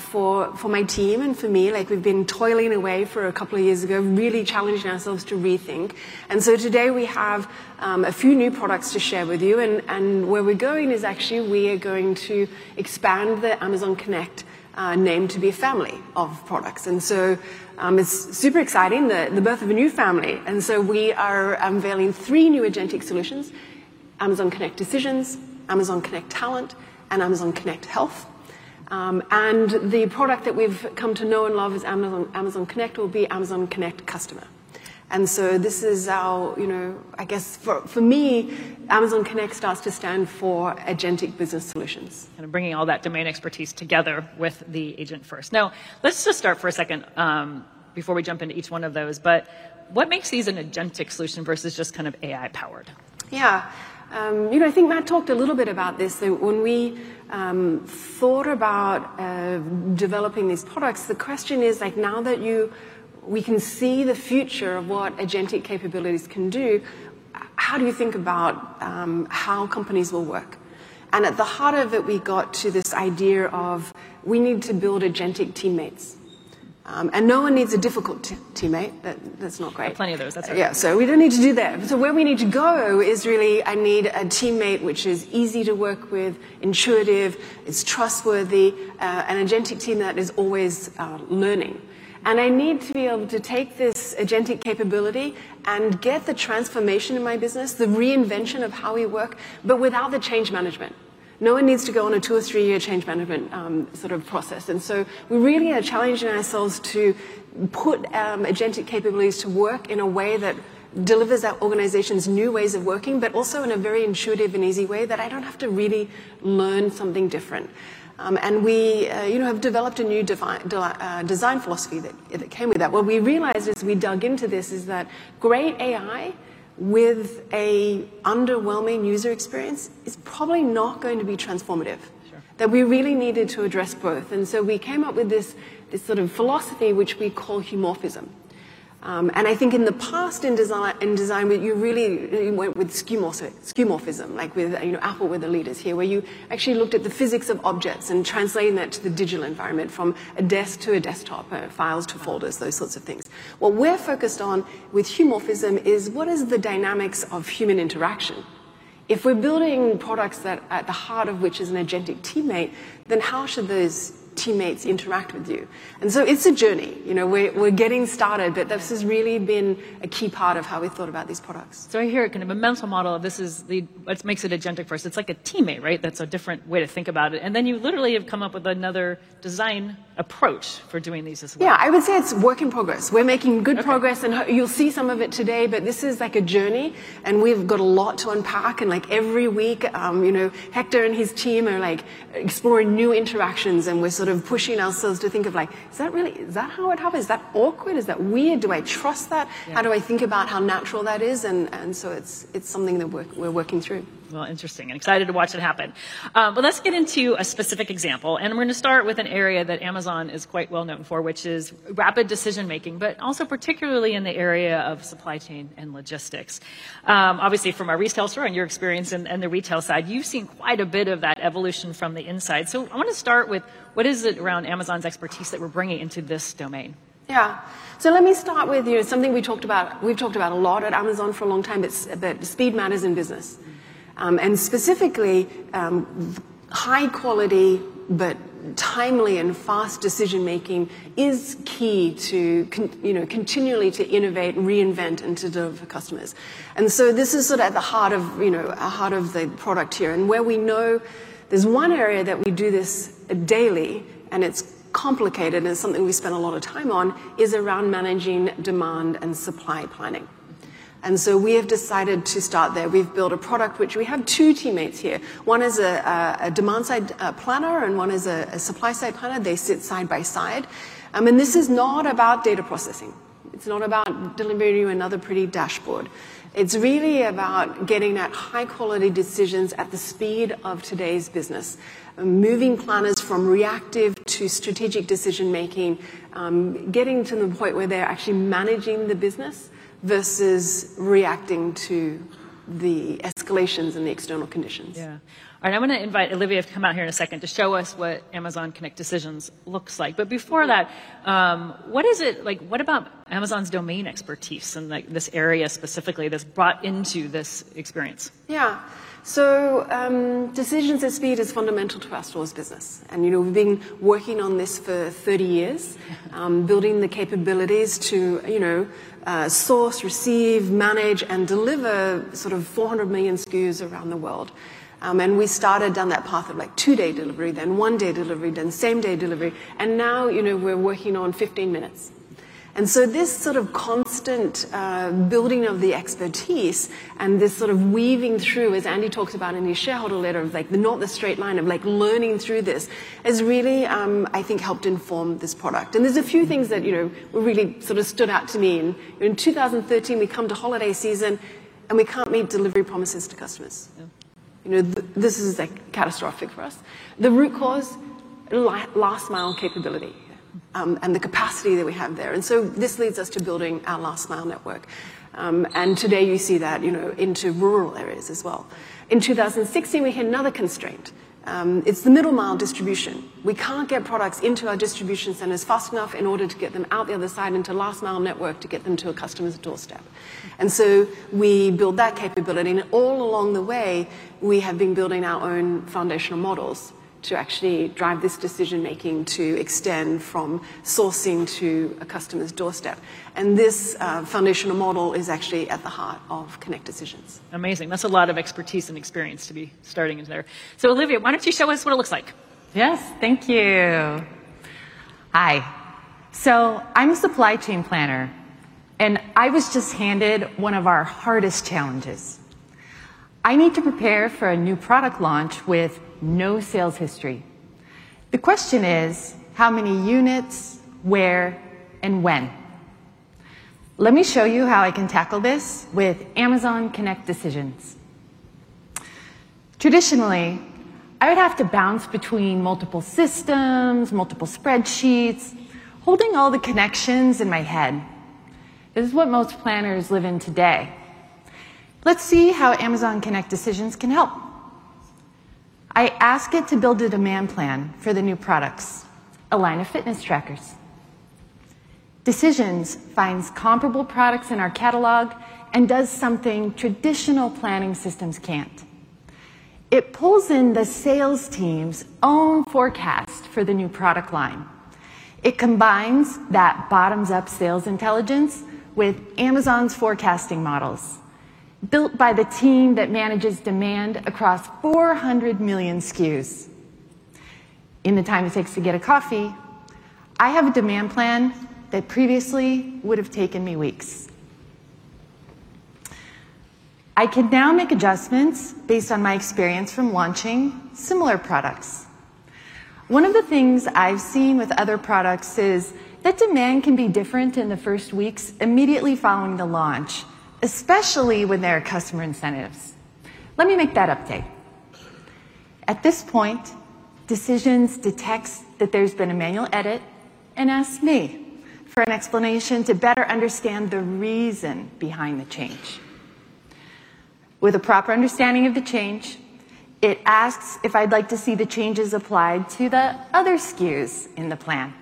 for my team and for me. Like, we've been toiling away for a couple of years ago, really challenging ourselves to rethink. Today we have a few new products to share with you. Where we're going is actually we are going to expand the Amazon Connect name to be a family of products. It's super exciting, the birth of a new family. We are unveiling three new agentic solutions: Amazon Connect Decisions, Amazon Connect Talent, and Amazon Connect Health. The product that we've come to know and love is Amazon Connect will be Amazon Connect Customer. This is how, you know, I guess for me, Amazon Connect starts to stand for agentic business solutions. Kind of bringing all that domain expertise together with the agent first. Now, let's just start for a second, before we jump into each one of those, but what makes these an agentic solution versus just kind of AI powered? Yeah. You know, I think Matt talked a little bit about this. When we thought about developing these products, the question is, like, now that we can see the future of what agentic capabilities can do, how do you think about how companies will work? At the heart of it, we got to this idea of we need to build agentic teammates. No one needs a difficult teammate. That's not great. Plenty of those. That's right. Yeah. We don't need to do that. Where we need to go is really I need a teammate which is easy to work with, intuitive, is trustworthy, an agentic teammate that is always learning. I need to be able to take this agentic capability and get the transformation in my business, the reinvention of how we work, but without the change management. No one needs to go on a 2 or 3-year change management sort of process. We really are challenging ourselves to put agentic capabilities to work in a way that delivers our organization's new ways of working, but also in a very intuitive and easy way that I don't have to really learn something different. We, you know, have developed a new design philosophy that came with that. What we realized as we dug into this is that great AI with a underwhelming user experience is probably not going to be transformative. Sure. That we really needed to address both. We came up with this sort of philosophy, which we call humorphism. I think in the past in design, you really went with skeuomorphism, like with, you know, Apple were the leaders here, where you actually looked at the physics of objects and translating that to the digital environment, from a desk to a desktop, files to folders, those sorts of things. What we're focused on with humorphism is what is the dynamics of human interaction? If we're building products that at the heart of which is an agentic teammate, then how should those teammates interact with you? It's a journey. You know, we're getting started, but this has really been a key part of how we thought about these products. I hear a kind of a mental model. This is what makes it agentic for us. It's like a teammate, right? That's a different way to think about it. You literally have come up with another design approach for doing these as well. Yeah, I would say it's work in progress. We're making good progress. Okay. You'll see some of it today, but this is like a journey, and we've got a lot to unpack. Like every week, you know, Hector and his team are like exploring new interactions, and we're sort of pushing ourselves to think of like, Is that how it happens? Is that awkward? Is that weird? Do I trust that? Yeah. How do I think about how natural that is? It's something that we're working through. Well, interesting, excited to watch it happen. Let's get into a specific example, and we're going to start with an area that Amazon is quite well known for, which is rapid decision-making, but also particularly in the area of supply chain and logistics. Obviously from a retail store and your experience in the retail side, you've seen quite a bit of that evolution from the inside. I want to start with what is it around Amazon's expertise that we're bringing into this domain? Let me start with you. Something we talked about, we've talked about a lot at Amazon for a long time, it's that speed matters in business. Specifically, high quality, but timely and fast decision-making is key to continually to innovate, reinvent, and to deliver for customers. This is sort of at the heart of, you know, heart of the product here. Where we know there's one area that we do this daily, and it's complicated, and it's something we spend a lot of time on, is around managing demand and supply planning. We have decided to start there. We've built a product which we have two teammates here. One is a demand side planner and one is a supply side planner. They sit side by side. I mean, this is not about data processing. It's not about delivering you another pretty dashboard. It's really about getting that high quality decisions at the speed of today's business, moving planners from reactive to strategic decision-making, getting to the point where they're actually managing the business versus reacting to the escalations and the external conditions. Yeah. All right, I'm gonna invite Olivia to come out here in a second to show us what Amazon Connect Decisions looks like. Before that, Like, what about Amazon's domain expertise in like this area specifically that's brought into this experience? Yeah. Decisions at speed is fundamental to our store's business. You know, we've been working on this for 30 years. Yeah... building the capabilities to, you know, source, receive, manage, and deliver sort of 400 million SKUs around the world. We started down that path of like 2-day delivery, then 1-day delivery, then same-day delivery, now, you know, we're working on 15 minutes. This sort of constant building of the expertise and this sort of weaving through, as Andy talks about in his shareholder letter, of like not the straight line of like learning through this, has really, I think helped inform this product. There's a few things that, you know, really sort of stood out to me. In 2013, we come to holiday season, we can't meet delivery promises to customers. Yeah. You know, this is like catastrophic for us. The root cause, last mile capability. Yeah ... and the capacity that we have there. This leads us to building our last mile network. Today you see that, you know, into rural areas as well. In 2016, we hit another constraint. It's the middle mile distribution. We can't get products into our distribution centers fast enough in order to get them out the other side into last mile network to get them to a customer's doorstep. We build that capability. All along the way, we have been building our own foundational models to actually drive this decision-making to extend from sourcing to a customer's doorstep. This foundational model is actually at the heart of Connect Decisions. Amazing. That's a lot of expertise and experience to be starting in there. Olivia, why don't you show us what it looks like? Yes. Thank you. Hi. I'm a supply chain planner, and I was just handed one of our hardest challenges. I need to prepare for a new product launch with no sales history. The question is: how many units, where, and when? Let me show you how I can tackle this with Amazon Connect Decisions. Traditionally, I would have to bounce between multiple systems, multiple spreadsheets, holding all the connections in my head. This is what most planners live in today. Let's see how Amazon Connect Decisions can help. I ask it to build a demand plan for the new products, a line of fitness trackers. Decisions finds comparable products in our catalog and does something traditional planning systems can't. It pulls in the sales team's own forecast for the new product line. It combines that bottoms-up sales intelligence with Amazon's forecasting models, built by the team that manages demand across 400 million SKUs. In the time it takes to get a coffee, I have a demand plan that previously would have taken me weeks. I can now make adjustments based on my experience from launching similar products. One of the things I've seen with other products is that demand can be different in the first weeks immediately following the launch, especially when there are customer incentives. Let me make that update. At this point, Decisions detects that there's been a manual edit and asks me for an explanation to better understand the reason behind the change. With a proper understanding of the change, it asks if I'd like to see the changes applied to the other SKUs in the plan.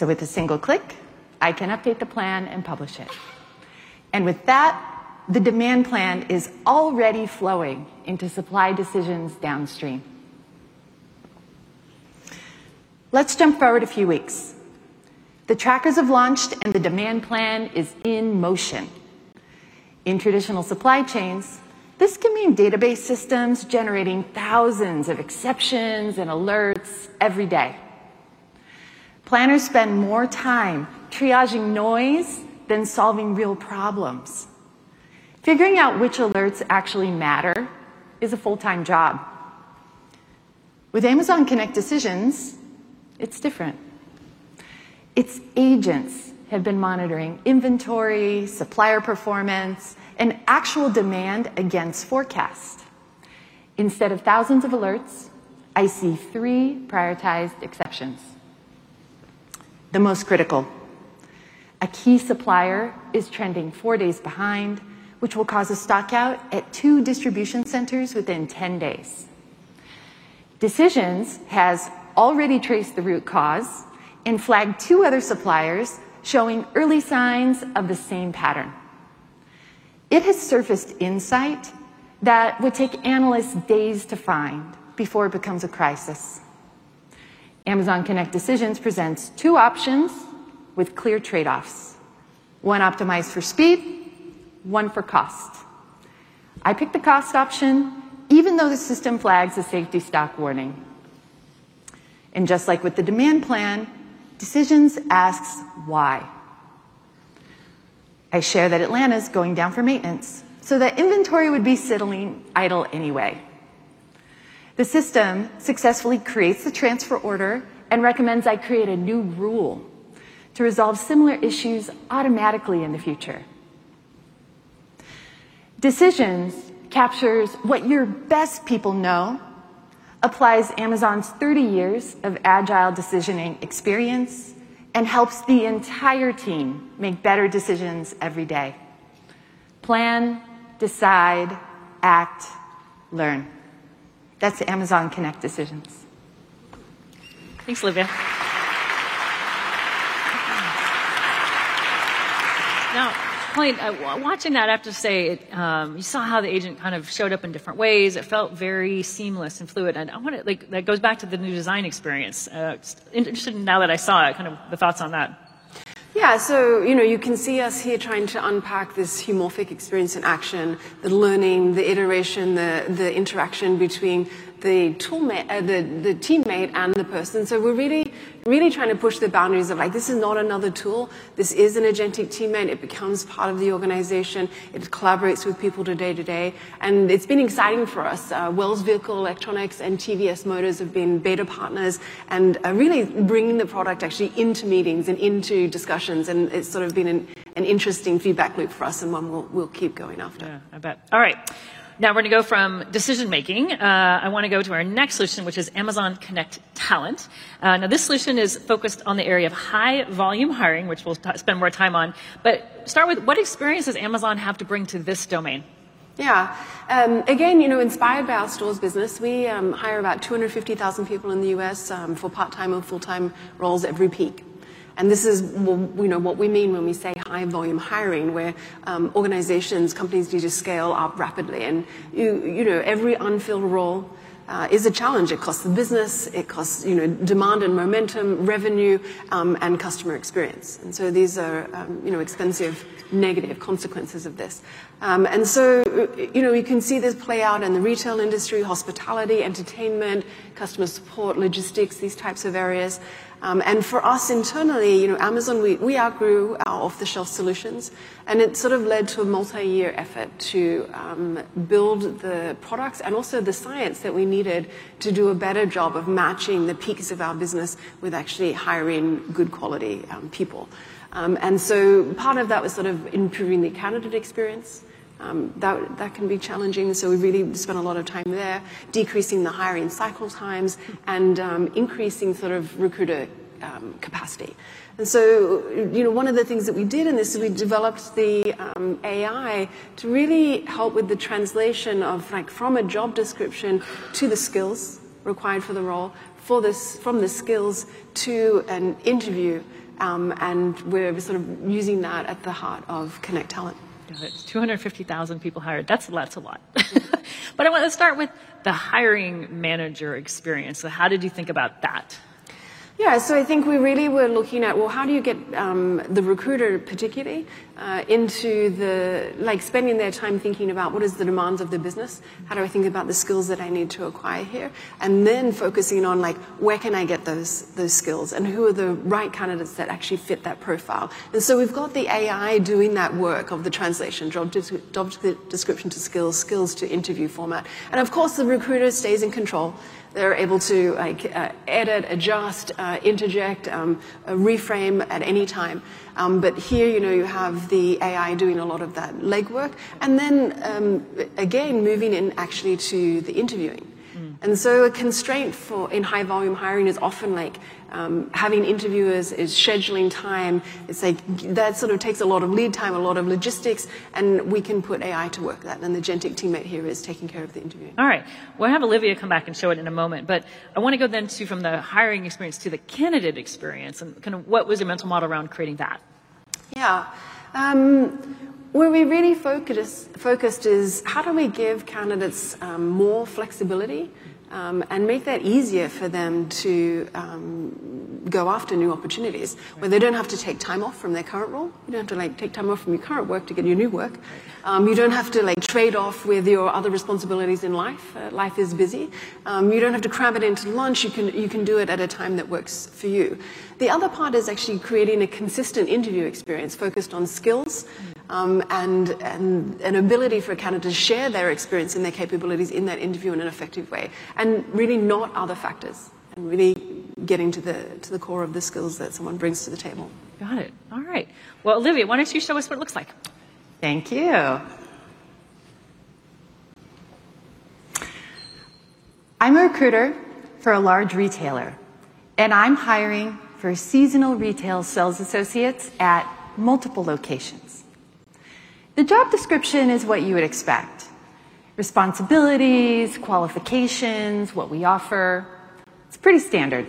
With a single click, I can update the plan and publish it. With that, the demand plan is already flowing into supply decisions downstream. Let's jump forward a few weeks. The trackers have launched and the demand plan is in motion. In traditional supply chains, this can mean database systems generating thousands of exceptions and alerts every day. Planners spend more time triaging noise than solving real problems. Figuring out which alerts actually matter is a full-time job. With Amazon Connect Decisions, it's different. Its agents have been monitoring inventory, supplier performance, and actual demand against forecast. Instead of thousands of alerts, I see three prioritized exceptions. The most critical, a key supplier is trending four days behind, which will cause a stock out at two distribution centers within 10 days. Decisions has already traced the root cause and flagged two other suppliers showing early signs of the same pattern. It has surfaced insight that would take analysts days to find before it becomes a crisis. Amazon Connect Decisions presents two options with clear trade-offs: one optimized for speed, one for cost. I pick the cost option, even though the system flags a safety stock warning. Just like with the demand plan, Decisions asks why. I share that Atlanta's going down for maintenance so that inventory would be settling idle anyway. The system successfully creates the transfer order and recommends I create a new rule to resolve similar issues automatically in the future. Decisions captures what your best people know, applies Amazon's thirty years of agile decisioning experience, and helps the entire team make better decisions every day. Plan, decide, act, learn. That's Amazon Connect Decisions. Thanks, Olivia. Colleen, watching that, I have to say, you saw how the agent kind of showed up in different ways. It felt very seamless and fluid. Like, that goes back to the new design experience. I'm interested now that I saw it, kind of the thoughts on that. Yeah. You know, you can see us here trying to unpack this humorphic experience in action, the learning, the iteration, the interaction between the teammate and the person. We're really trying to push the boundaries of, like, this is not another tool. This is an agentic teammate. It becomes part of the organization. It collaborates with people day to day, and it's been exciting for us. Wells Vehicle Electronics and TVS Motors have been beta partners and really bringing the product actually into meetings and into discussions, and it's sort of been an interesting feedback loop for us and one we'll keep going after. Yeah, I bet. All right. We're going to go from decision-making. I want to go to our next solution, which is Amazon Connect Talent. This solution is focused on the area of high volume hiring, which we'll spend more time on. Start with, what experience does Amazon have to bring to this domain? Again, you know, inspired by our stores business, we hire about 250,000 people in the U.S. for part-time or full-time roles every peak. This is we know what we mean when we say high volume hiring, where organizations, companies need to scale up rapidly. You know, every unfilled role is a challenge. It costs the business, it costs, you know, demand and momentum, revenue, and customer experience. These are, you know, expensive negative consequences of this. You know, you can see this play out in the retail industry, hospitality, entertainment, customer support, logistics, these types of areas. For us internally, you know, Amazon, we outgrew our off-the-shelf solutions, and it sort of led to a multi-year effort to build the products and also the science that we needed to do a better job of matching the peaks of our business with actually hiring good quality people. Part of that was sort of improving the candidate experience that can be challenging, so we really spent a lot of time there, decreasing the hiring cycle times and increasing sort of recruiter capacity. you know, one of the things that we did in this is we developed the AI to really help with the translation of, like, from a job description to the skills required for the role, from the skills to an interview, and we're sort of using that at the heart of Connect Talent. 250,000 people hired. That's a lot. I want to start with the hiring manager experience. How did you think about that? Yeah. I think we really were looking at, well, how do you get, the recruiter particularly, into spending their time thinking about what is the demands of the business? How do I think about the skills that I need to acquire here? Then focusing on like, where can I get those skills, and who are the right candidates that actually fit that profile? We've got the AI doing that work of the translation, job description to skills to interview format. Of course, the recruiter stays in control. They're able to, like, edit, adjust, interject, reframe at any time. But here, you know, you have the AI doing a lot of that legwork and then, again, moving in actually to the interviewing. A constraint for in high volume hiring is often like having interviewers scheduling time. It's like that sort of takes a lot of lead time, a lot of logistics, and we can put AI to work that then the agentic teammate here is taking care of the interviewing. All right. We'll have Olivia come back and show it in a moment. I want to go then to from the hiring experience to the candidate experience and kind of what was your mental model around creating that? Yeah. Where we really focused is how do we give candidates more flexibility and make that easier for them to go after new opportunities where they don't have to take time off from their current role. You don't have to, like, take time off from your current work to get your new work. You don't have to, like, trade off with your other responsibilities in life. Life is busy. You don't have to cram it into lunch. You can, you can do it at a time that works for you. The other part is actually creating a consistent interview experience focused on skills, and an ability for a candidate to share their experience and their capabilities in that interview in an effective way, and really not other factors, and really getting to the core of the skills that someone brings to the table. Got it. All right. Well, Olivia, why don't you show us what it looks like? Thank you. I'm a recruiter for a large retailer, and I'm hiring for seasonal retail sales associates at multiple locations. The job description is what you would expect. Responsibilities, qualifications, what we offer. It's pretty standard.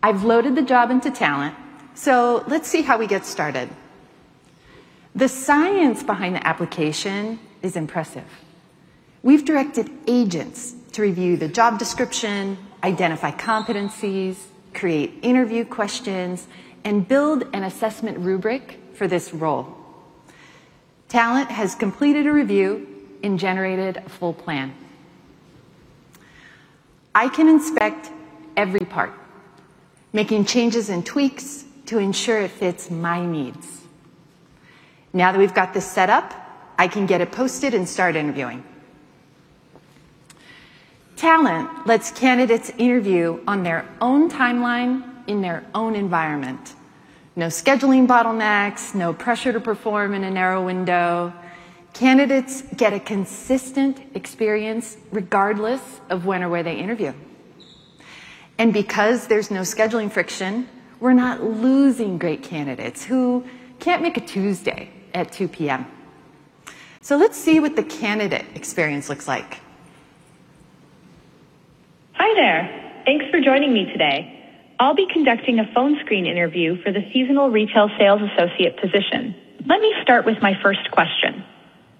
I've loaded the job into Talent, so let's see how we get started. The science behind the application is impressive. We've directed agents to review the job description, identify competencies, create interview questions, and build an assessment rubric for this role. Talent has completed a review and generated a full plan. I can inspect every part, making changes and tweaks to ensure it fits my needs. Now that we've got this set up, I can get it posted and start interviewing. Talent lets candidates interview on their own timeline in their own environment. No scheduling bottlenecks, no pressure to perform in a narrow window. Candidates get a consistent experience regardless of when or where they interview. Because there's no scheduling friction, we're not losing great candidates who can't make a Tuesday at 2:00 P.M. Let's see what the candidate experience looks like. Hi there. Thanks for joining me today. I'll be conducting a phone screen interview for the seasonal retail sales associate position. Let me start with my first question.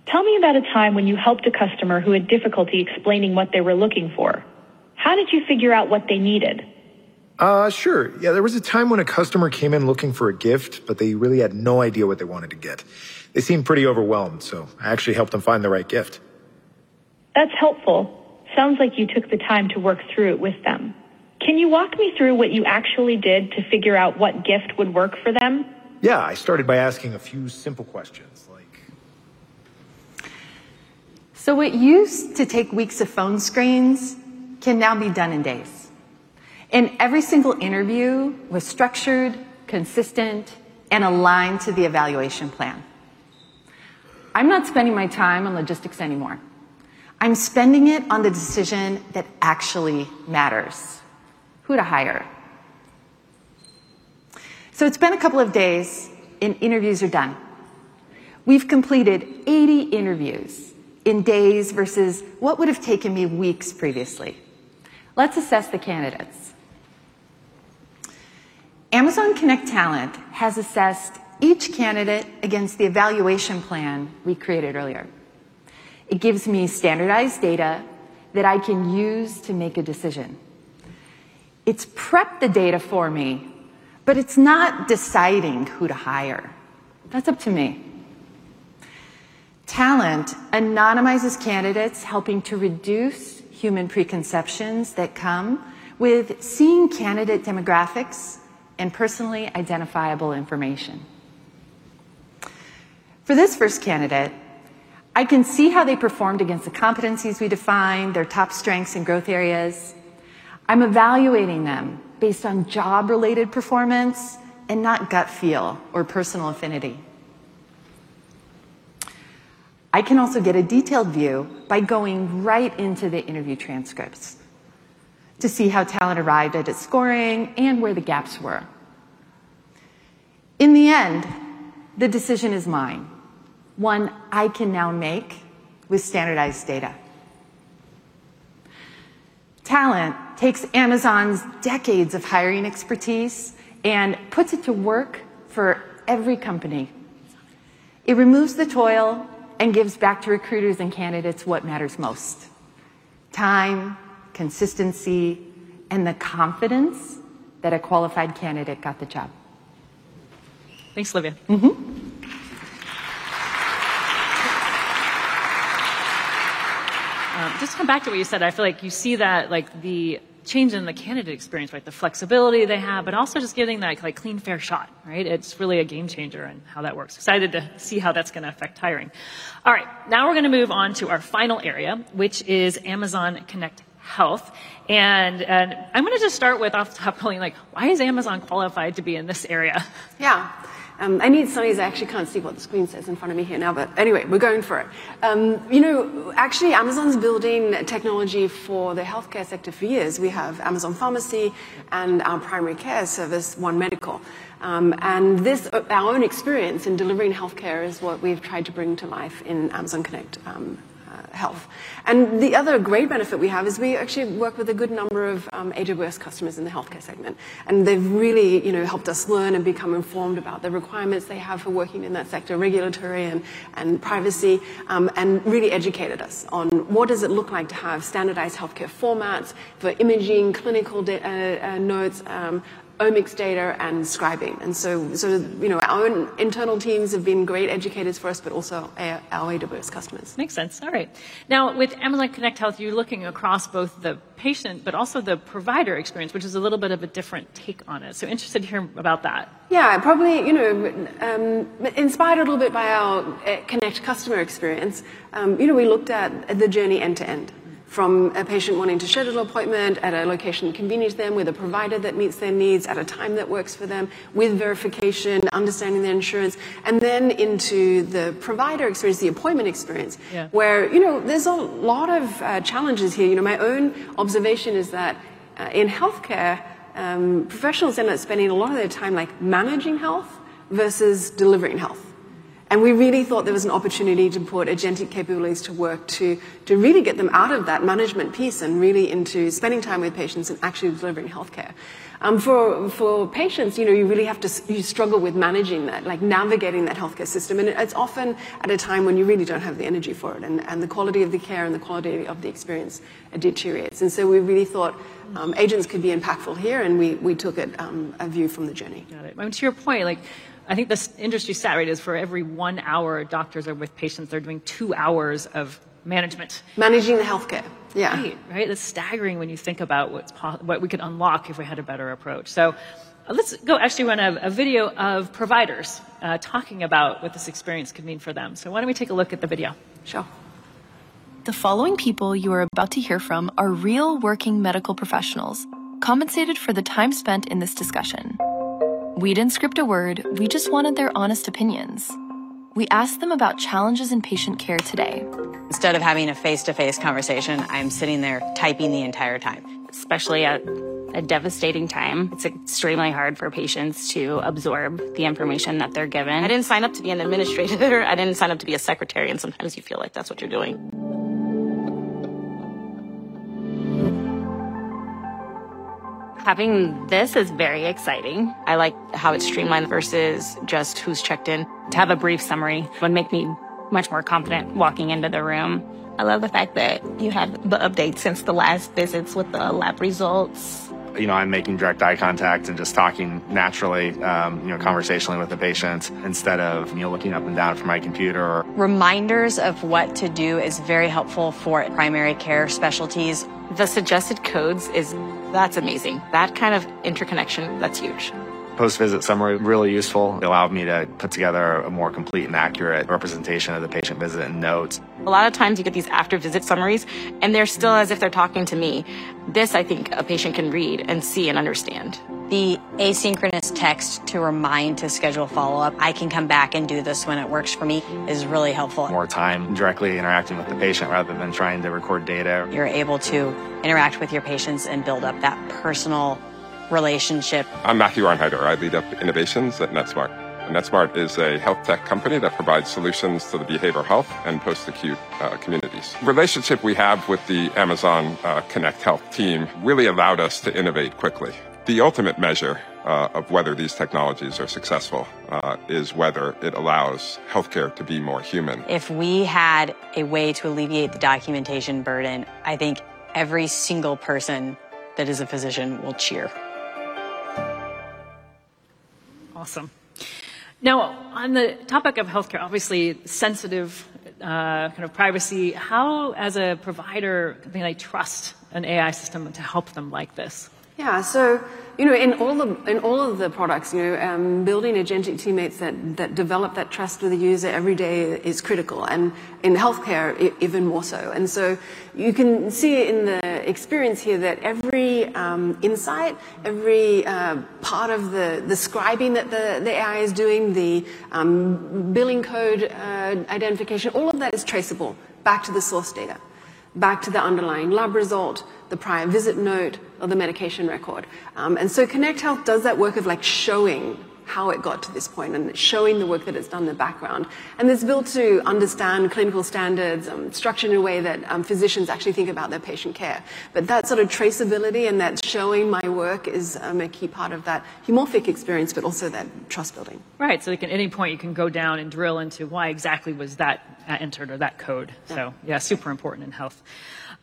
Tell me about a time when you helped a customer who had difficulty explaining what they were looking for. How did you figure out what they needed? Sure. Yeah, there was a time when a customer came in looking for a gift. They really had no idea what they wanted to get. They seemed pretty overwhelmed. I actually helped them find the right gift. That's helpful. Sounds like you took the time to work through it with them. Can you walk me through what you actually did to figure out what gift would work for them? Yeah, I started by asking a few simple questions like. What used to take weeks of phone screens can now be done in days. Every single interview was structured, consistent, and aligned to the evaluation plan. I'm not spending my time on logistics anymore. I'm spending it on the decision that actually matters: who to hire. It's been a couple of days, and interviews are done. We've completed 80 interviews in days versus what would have taken me weeks previously. Let's assess the candidates. Amazon Connect Talent has assessed each candidate against the evaluation plan we created earlier. It gives me standardized data that I can use to make a decision. It's prepped the data for me, but it's not deciding who to hire. That's up to me. Talent anonymizes candidates, helping to reduce human preconceptions that come with seeing candidate demographics and personally identifiable information. For this first candidate, I can see how they performed against the competencies we defined, their top strengths and growth areas. I'm evaluating them based on job-related performance and not gut feel or personal affinity. I can also get a detailed view by going right into the interview transcripts to see how Talent arrived at its scoring and where the gaps were. In the end, the decision is mine. One I can now make with standardized data. Talent takes Amazon's decades of hiring expertise and puts it to work for every company. It removes the toil and gives back to recruiters and candidates what matters most: time, consistency, and the confidence that a qualified candidate got the job. Thanks, Olivia. just to come back to what you said, I feel like you see that, like the change in the candidate experience, right? The flexibility they have, but also just getting like clean, fair shot, right? It's really a game changer in how that works. Excited to see how that's gonna affect hiring. All right, now we're gonna move on to our final area, which is Amazon Connect Health. I'm gonna just start with off the top, Colleen, like why is Amazon qualified to be in this area? Yeah. I need... Sorry, I actually can't see what the screen says in front of me here now, but anyway, we're going for it. You know, actually, Amazon's building technology for the healthcare sector for years. We have Amazon Pharmacy and our primary care service, One Medical. This, our own experience in delivering healthcare is what we've tried to bring to life in Amazon Connect Health. The other great benefit we have is we actually work with a good number of AWS customers in the healthcare segment, and they've really, you know, helped us learn and become informed about the requirements they have for working in that sector, regulatory and privacy, and really educated us on what does it look like to have standardized healthcare formats for imaging, clinical notes, omics data and scribing. Sort of, you know, our own internal teams have been great educators for us, but also our AWS customers. Makes sense. All right. With Amazon Connect Health, you're looking across both the patient but also the provider experience, which is a little bit of a different take on it. Interested to hear about that. Yeah. Probably, you know, inspired a little bit by our Connect customer experience, you know, we looked at the journey end to end from a patient wanting to schedule an appointment at a location that convenes them with a provider that meets their needs at a time that works for them with verification, understanding their insurance, and then into the provider experience, the appointment experience. Yeah... where, you know, there's a lot of challenges here. You know, my own observation is that in healthcare, professionals end up spending a lot of their time like managing health versus delivering health. We really thought there was an opportunity to put agentic capabilities to work to really get them out of that management piece and really into spending time with patients and actually delivering healthcare. For patients, you know, you really have to struggle with managing that, like navigating that healthcare system, and it's often at a time when you really don't have the energy for it, and the quality of the care and the quality of the experience deteriorates. We really thought- agents could be impactful here, and we took it, a view from the journey. Got it. To your point, like I think the industry stat rate is for every 1 hour doctors are with patients, they're doing 2 hours of management. Managing the healthcare. Yeah. Right. Right. It's staggering when you think about what we could unlock if we had a better approach. Let's go actually run a video of providers talking about what this experience could mean for them. Why don't we take a look at the video? Sure. The following people you are about to hear from are real working medical professionals compensated for the time spent in this discussion. We didn't script a word. We just wanted their honest opinions. We asked them about challenges in patient care today. Instead of having a face-to-face conversation, I'm sitting there typing the entire time. Especially at a devastating time, it's extremely hard for patients to absorb the information that they're given. I didn't sign up to be an administrator. I didn't sign up to be a secretary, and sometimes you feel like that's what you're doing. Having this is very exciting. I like how it's streamlined versus just who's checked in. To have a brief summary would make me much more confident walking into the room. I love the fact that you have the updates since the last visits with the lab results. You know, I'm making direct eye contact and just talking naturally, you know, conversationally with the patients instead of, you know, looking up and down from my computer. Reminders of what to do is very helpful for primary care specialties. The suggested codes is. That's amazing. That kind of interconnection, that's huge. Post-visit summary, really useful. It allowed me to put together a more complete and accurate representation of the patient visit and notes. A lot of times you get these after visit summaries, and they're still as if they're talking to me. This, I think a patient can read and see and understand. The asynchronous text to remind to schedule follow-up, I can come back and do this when it works for me, is really helpful. More time directly interacting with the patient rather than trying to record data. You're able to interact with your patients and build up that personal relationship. I'm Matthew Arnheiter. I lead up innovations at Netsmart. Netsmart is a health tech company that provides solutions to the behavioral health and post-acute communities. The relationship we have with the Amazon Connect Health team really allowed us to innovate quickly. The ultimate measure of whether these technologies are successful is whether it allows healthcare to be more human. If we had a way to alleviate the documentation burden, I think every single person that is a physician will cheer. Awesome. Now, on the topic of healthcare, obviously sensitive, kind of privacy, how as a provider can they trust an AI system to help them like this? Yeah. You know, in all of the products, you know, building agentic teammates that develop that trust with a user every day is critical, and in healthcare even more so. You can see in the experience here that every insight, every part of the scribing that the AI is doing, the billing code identification, all of that is traceable back to the source data, back to the underlying lab result, the prior visit note of the medication record. Connect Health does that work of like showing how it got to this point and showing the work that it's done in the background. It's built to understand clinical standards and structured in a way that physicians actually think about their patient care. That sort of traceability and that showing my work is a key part of that humorphic experience, but also that trust building. Right. You can, at any point you can go down and drill into why exactly was that, entered or that code. Yeah. Yeah, super important in health.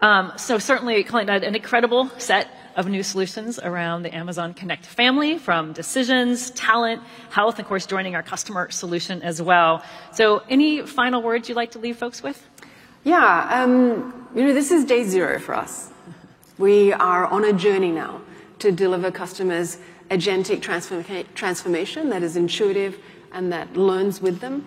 Certainly calling out an incredible set of new solutions around the Amazon Connect family from Decisions, Talent, Health, of course, joining our customer solution as well. Any final words you'd like to leave folks with? Yeah. You know, this is day zero for us. We are on a journey now to deliver customers agentic transformation that is intuitive and that learns with them.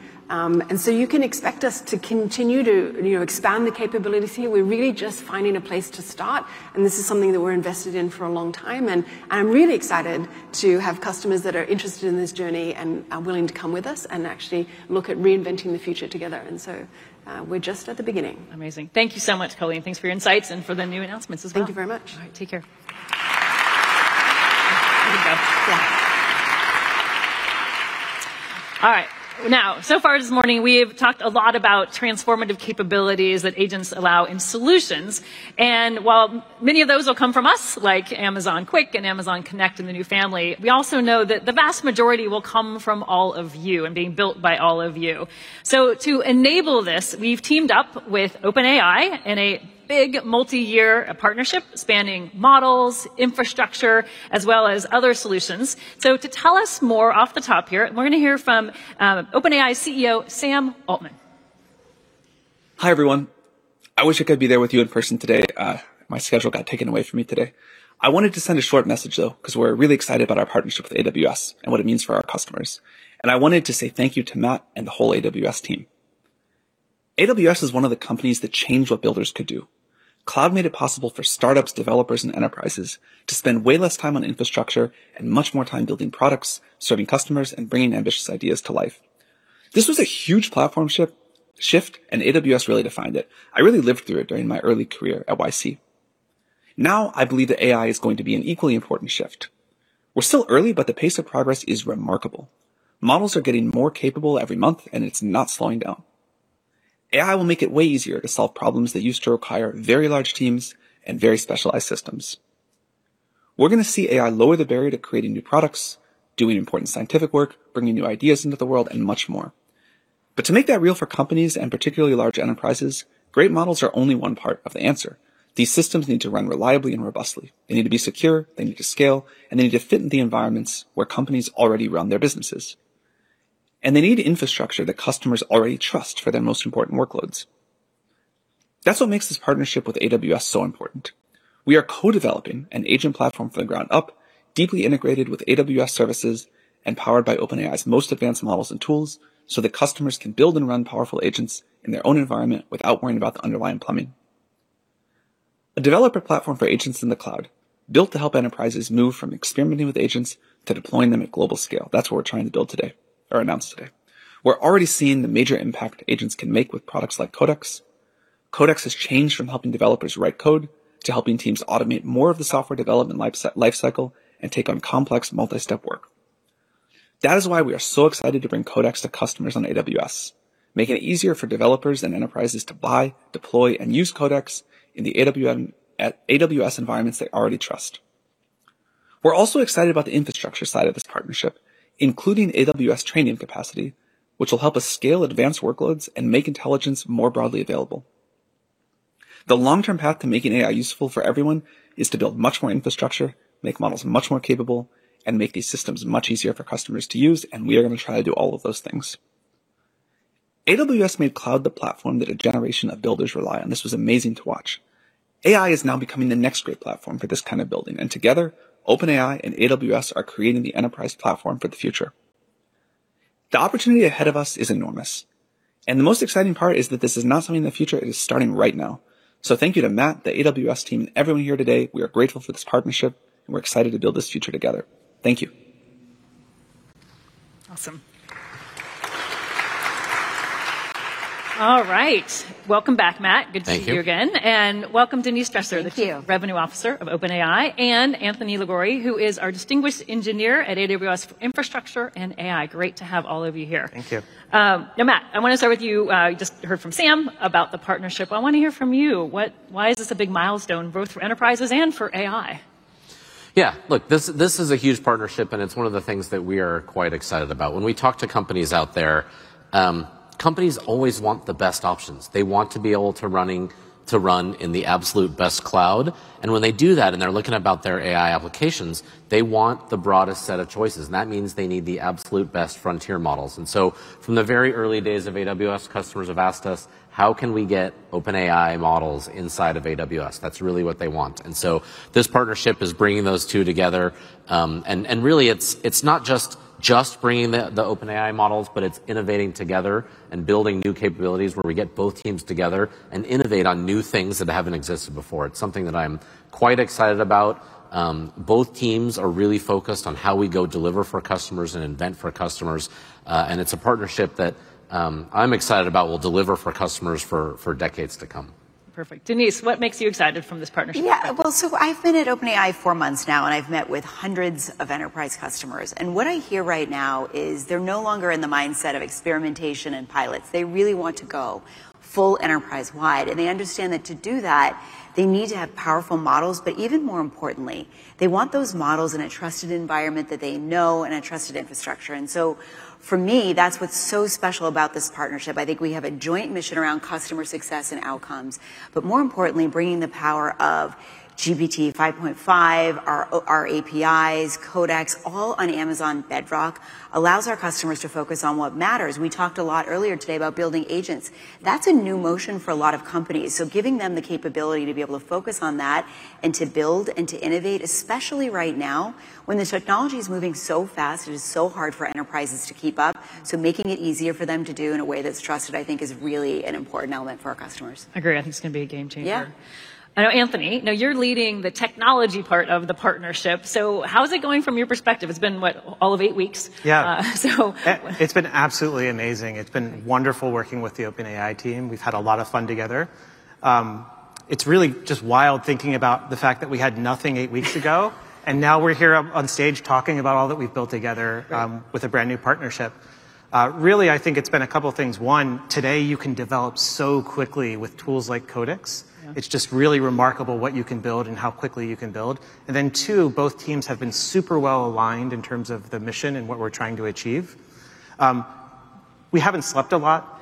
You can expect us to continue to, you know, expand the capabilities here. We're really just finding a place to start, and this is something that we're invested in for a long time, and I'm really excited to have customers that are interested in this journey and are willing to come with us and actually look at reinventing the future together. We're just at the beginning. Amazing. Thank you so much, Colleen. Thanks for your insights and for the new announcements as well. Thank you very much. All right. Take care. Here you go. Yeah. All right. So far this morning, we've talked a lot about transformative capabilities that agents allow in solutions, and while many of those will come from us, like Amazon Q and Amazon Connect and the new family, we also know that the vast majority will come from all of you and being built by all of you. To enable this, we've teamed up with OpenAI in a big multi-year partnership spanning models, infrastructure, as well as other solutions. To tell us more off the top here, we're gonna hear from OpenAI CEO, Sam Altman. Hi, everyone. I wish I could be there with you in person today. My schedule got taken away from me today. I wanted to send a short message, though, 'cause we're really excited about our partnership with AWS and what it means for our customers. I wanted to say thank you to Matt and the whole AWS team. AWS is one of the companies that changed what builders could do. Cloud made it possible for startups, developers, and enterprises to spend way less time on infrastructure and much more time building products, serving customers, and bringing ambitious ideas to life. This was a huge platform shift, AWS really defined it. I really lived through it during my early career at YC. I believe that AI is going to be an equally important shift. We're still early, the pace of progress is remarkable. Models are getting more capable every month, and it's not slowing down. AI will make it way easier to solve problems that used to require very large teams and very specialized systems. We're gonna see AI lower the barrier to creating new products, doing important scientific work, bringing new ideas into the world, and much more. To make that real for companies and particularly large enterprises, great models are only one part of the answer. These systems need to run reliably and robustly. They need to be secure, they need to scale, and they need to fit in the environments where companies already run their businesses. They need infrastructure that customers already trust for their most important workloads. That's what makes this partnership with AWS so important. We are co-developing an agent platform from the ground up, deeply integrated with AWS services and powered by OpenAI's most advanced models and tools, so that customers can build and run powerful agents in their own environment without worrying about the underlying plumbing. A developer platform for agents in the cloud built to help enterprises move from experimenting with agents to deploying them at global scale. That's what we're trying to build today or announce today. We're already seeing the major impact agents can make with products like Codex. Codex has changed from helping developers write code to helping teams automate more of the software development life cycle and take on complex multi-step work. That is why we are so excited to bring Codex to customers on AWS, making it easier for developers and enterprises to buy, deploy, and use Codex in the AWS environments they already trust. We're also excited about the infrastructure side of this partnership, including AWS Trainium capacity, which will help us scale advanced workloads and make intelligence more broadly available. We are gonna try to do all of those things. AWS made cloud the platform that a generation of builders rely on. This was amazing to watch. AI is now becoming the next great platform for this kind of building. Together, OpenAI and AWS are creating the enterprise platform for the future. The opportunity ahead of us is enormous. The most exciting part is that this is not something in the future, it is starting right now. Thank you to Matt, the AWS team, everyone here today. We are grateful for this partnership, and we're excited to build this future together. Thank you. Awesome. All right. Welcome back, Matt. Thank you. Good to see you again. Welcome, Denise Dresser. Thank you. ...the Chief Revenue Officer of OpenAI, and Anthony Liguori, who is our distinguished engineer at AWS for infrastructure and AI. Great to have all of you here. Thank you. Now, Matt, I wanna start with you. You just heard from Sam about the partnership. I wanna hear from you. Why is this a big milestone both for enterprises and for AI? Yeah. Look, this is a huge partnership, and it's one of the things that we are quite excited about. When we talk to companies out there, companies always want the best options. They want to be able to run in the absolute best cloud, and when they do that, and they're looking about their AI applications, they want the broadest set of choices, and that means they need the absolute best frontier models. From the very early days of AWS, customers have asked us, "How can we get OpenAI models inside of AWS?" That's really what they want. This partnership is bringing those two together, and really, it's not just bringing the OpenAI models, but it's innovating together and building new capabilities where we get both teams together and innovate on new things that haven't existed before. It's something that I'm quite excited about. Both teams are really focused on how we go deliver for customers and invent for customers, and it's a partnership that I'm excited about will deliver for customers for decades to come. Perfect. Denise, what makes you excited from this partnership perspective? Yeah. Well, I've been at OpenAI four months now, and I've met with hundreds of enterprise customers, and what I hear right now is they're no longer in the mindset of experimentation and pilots. They really want to go. Full enterprise wide. They understand that to do that, they need to have powerful models, but even more importantly, they want those models in a trusted environment that they know and a trusted infrastructure. For me, that's what's so special about this partnership. I think we have a joint mission around customer success and outcomes, but more importantly, bringing the power of GPT-5.5, our APIs, Codex, all on Amazon Bedrock, allows our customers to focus on what matters. We talked a lot earlier today about building agents. That's a new motion for a lot of companies. Giving them the capability to be able to focus on that and to build and to innovate, especially right now when the technology is moving so fast, it is so hard for enterprises to keep up. Making it easier for them to do in a way that's trusted, I think is really an important element for our customers. Agree. I think it's gonna be a game changer. Yeah. I know, Anthony, now you're leading the technology part of the partnership, so how is it going from your perspective? It's been, what? All of eight weeks. Yeah. Uh, so. It's been absolutely amazing. It's been wonderful working with the OpenAI team. We've had a lot of fun together. It's really just wild thinking about the fact that we had nothing eight weeks ago. Now we're here up on stage talking about all that we've built together. Great... with a brand-new partnership. really, I think it's been a couple things. One, today you can develop so quickly with tools like Codex. Yeah. It's just really remarkable what you can build and how quickly you can build. 2, both teams have been super well aligned in terms of the mission and what we're trying to achieve. We haven't slept a lot.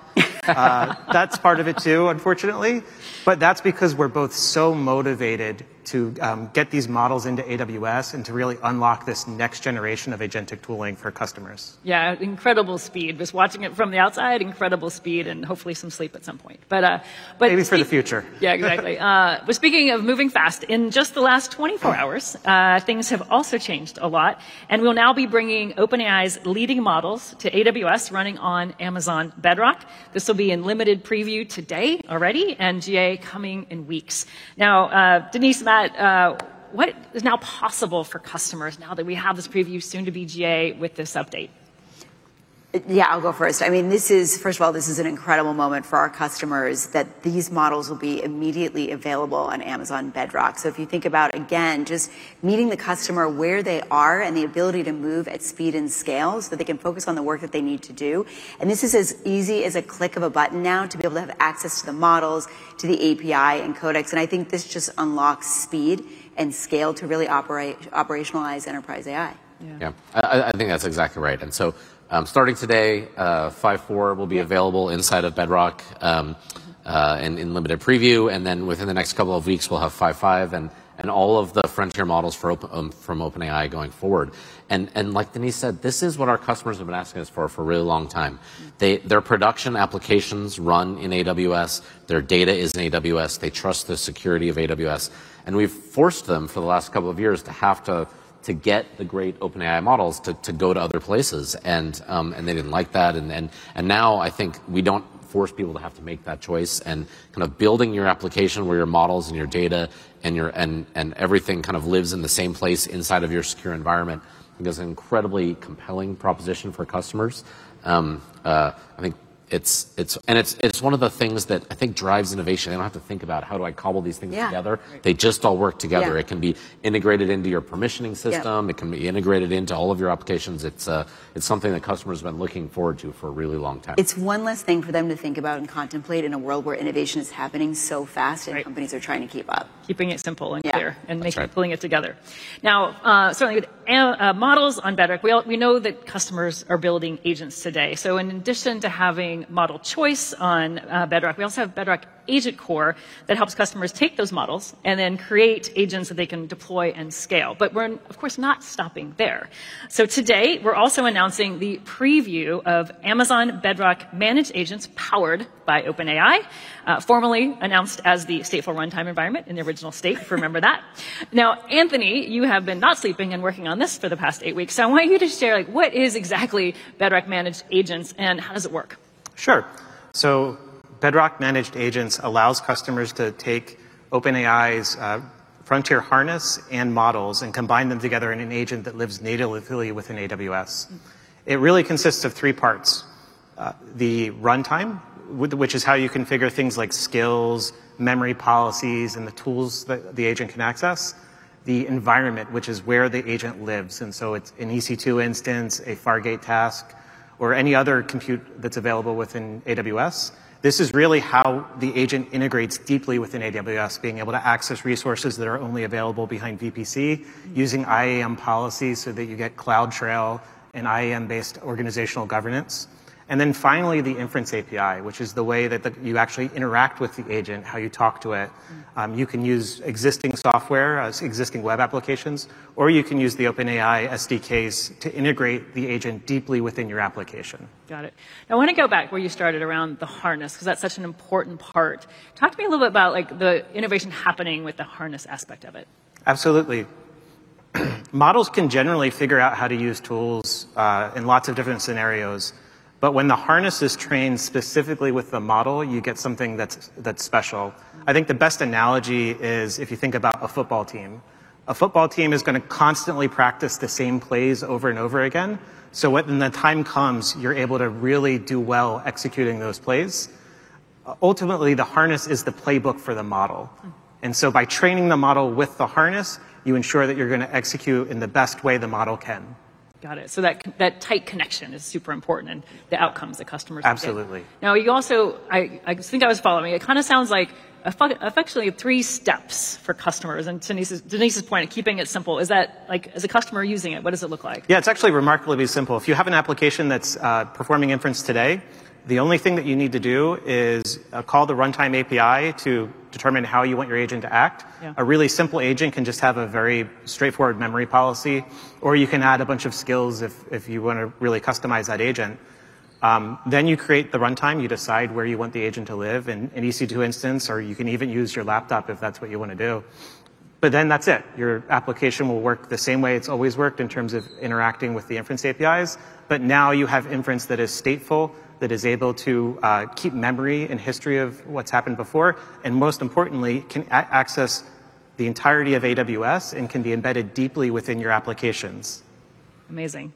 That's part of it too, unfortunately. That's because we're both so motivated to get these models into AWS and to really unlock this next generation of agentic tooling for customers. Yeah, incredible speed. Just watching it from the outside, incredible speed and hopefully some sleep at some point. Maybe for the future. Yeah, exactly. Speaking of moving fast, in just the last 24 hours, things have also changed a lot, and we'll now be bringing OpenAI's leading models to AWS running on Amazon Bedrock. This will be in limited preview today already and GA coming in weeks. Denise, Matt, what is now possible for customers now that we have this preview soon to be GA with this update? Yeah, I'll go first. I mean, this is first of all, this is an incredible moment for our customers that these models will be immediately available on Amazon Bedrock. If you think about, again, just meeting the customer where they are and the ability to move at speed and scale so they can focus on the work that they need to do, and this is as easy as a click of a button now to be able to have access to the models, to the API and Codex, and I think this just unlocks speed and scale to really operationalize enterprise AI. Yeah. I think that's exactly right. Starting today, 5.4 will be available inside of Bedrock in limited preview, and then within the next couple of weeks, we'll have 5.5 and all of the frontier models from OpenAI going forward. Like Denise said, this is what our customers have been asking us for a really long time. Their production applications run in AWS, their data is in AWS, they trust the security of AWS, and we've forced them for the last couple of years to have to get the great OpenAI models to go to other places, and they didn't like that. I think we don't force people to have to make that choice and kind of building your application where your models and your data and your, and everything kind of lives in the same place inside of your secure environment is an incredibly compelling proposition for customers. I think it's one of the things that I think drives innovation. They don't have to think about how do I cobble these things together. Yeah. Right. They just all work together. Yeah. It can be integrated into your permissioning system. Yeah. It can be integrated into all of your applications. It's something that customers have been looking forward to for a really long time. It's one less thing for them to think about and contemplate in a world where innovation is happening so fast. Right Companies are trying to keep up. Keeping it simple and clear. Yeah. That's right. Pulling it together. Starting with models on Amazon Bedrock. We know that customers are building agents today. In addition to having model choice on Amazon Bedrock, we also have Amazon Bedrock AgentCore that helps customers take those models and then create agents that they can deploy and scale. We're, of course, not stopping there. Today, we're also announcing the preview of Amazon Bedrock Managed Agents powered by OpenAI, formerly announced as the Stateful Runtime environment in the original state. If you remember that. Anthony, you have been not sleeping and working on this for the past eight weeks, so I want you to share, like, what is exactly Amazon Bedrock Managed Agents, and how does it work? Sure. Bedrock Managed Agents allows customers to take OpenAI's frontier harness and models and combine them together in an agent that lives natively within AWS. It really consists of three parts. The runtime, which is how you configure things like skills, memory policies, and the tools that the agent can access. The environment, which is where the agent lives, and so it's an EC2 instance, a Fargate task, or any other compute that's available within AWS. This is really how the agent integrates deeply within AWS, being able to access resources that are only available behind VPC, using IAM policies so that you get CloudTrail and IAM-based organizational governance. Finally, the inference API, which is the way that the you actually interact with the agent, how you talk to it. You can use existing software, existing web applications, or you can use the OpenAI SDKs to integrate the agent deeply within your application. Got it. I wanna go back where you started around the harness 'cause that's such an important part. Talk to me a little bit about, like, the innovation happening with the harness aspect of it. Absolutely. Models can generally figure out how to use tools in lots of different scenarios, but when the harness is trained specifically with the model, you get something that's special. I think the best analogy is if you think about a football team. A football team is gonna constantly practice the same plays over and over again, so when the time comes, you're able to really do well executing those plays. Ultimately, the harness is the playbook for the model. By training the model with the harness, you ensure that you're gonna execute in the best way the model can. Got it. That tight connection is super important and the outcomes that customers get. Absolutely. You also, I think I was following, it kind of sounds like effectually three steps for customers, and Denise's point of keeping it simple, is that, like, as a customer using it, what does it look like? Yeah, it's actually remarkably simple. If you have an application that's performing inference today, the only thing that you need to do is call the runtime API to determine how you want your agent to act. Yeah. A really simple agent can just have a very straightforward memory policy, or you can add a bunch of skills if you want to really customize that agent. You create the runtime, you decide where you want the agent to live, in an EC2 instance, or you can even use your laptop if that's what you want to do. That's it. Your application will work the same way it's always worked in terms of interacting with the inference APIs, now you have inference that is stateful, that is able to keep memory and history of what's happened before, and most importantly, can access the entirety of AWS and can be embedded deeply within your applications. Amazing.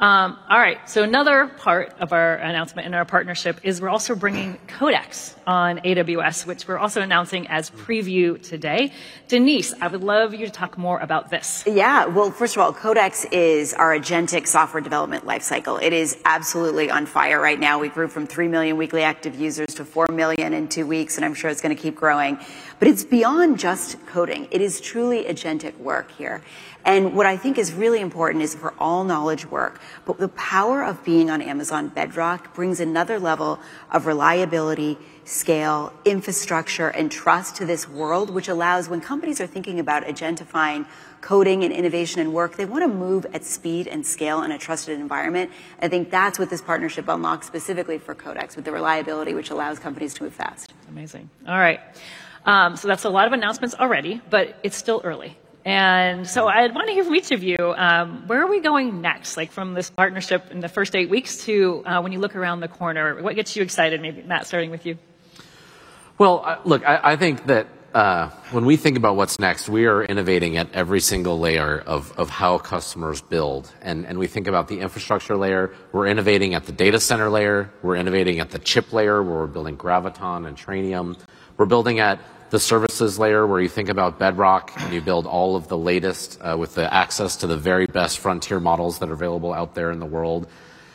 All right. Another part of our announcement and our partnership is we're also bringing Codex on AWS, which we're also announcing as preview today. Denise, I would love you to talk more about this. Yeah. Well, first of all, Codex is our agentic software development life cycle. It is absolutely on fire right now. We've grown from 3 million weekly active users to 4 million in 2 weeks, and I'm sure it's gonna keep growing. It's beyond just coding. It is truly agentic work here. What I think is really important is for all knowledge work. The power of being on Amazon Bedrock brings another level of reliability, scale, infrastructure, and trust to this world, which allows when companies are thinking about agentifying coding and innovation and work, they wanna move at speed and scale in a trusted environment. I think that's what this partnership unlocks specifically for Codex, with the reliability which allows companies to move fast. Amazing. All right. That's a lot of announcements already, but it's still early. I wanna hear from each of you, where are we going next? Like, from this partnership in the first eight weeks to, when you look around the corner, what gets you excited? Maybe Matt, starting with you. Well, I think that when we think about what's next, we are innovating at every single layer of how customers build. We think about the infrastructure layer. We're innovating at the data center layer. We're innovating at the chip layer, where we're building Graviton and Trainium. We're building at the services layer, where you think about Bedrock, and you build all of the latest with the access to the very best frontier models that are available out there in the world.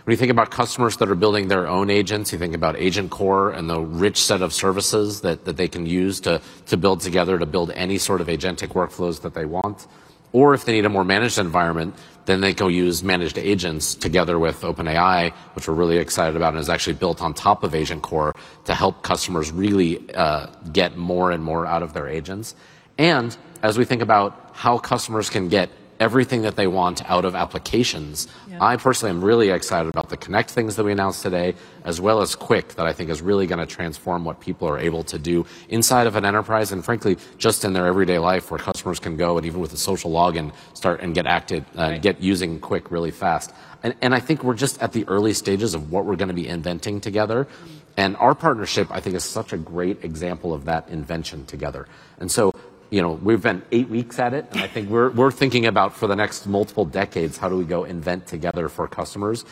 When you think about customers that are building their own agents, you think about AgentCore and the rich set of services that they can use to build together to build any sort of agentic workflows that they want. If they need a more managed environment, then they can use Managed Agents together with OpenAI, which we're really excited about and is actually built on top of AgentCore to help customers really get more and more out of their agents. As we think about how customers can get everything that they want out of applications. Yeah I personally am really excited about the Connect things that we announced today, as well as Q that I think is really gonna transform what people are able to do inside of an enterprise. Frankly, just in their everyday life where customers can go and even with a social login, start and get active. Right... get using Q really fast. I think we're just at the early stages of what we're gonna be inventing together. Our partnership, I think, is such a great example of that invention together. You know, we've been eight weeks at it, I think we're thinking about for the next multiple decades how do we go invent together for customers.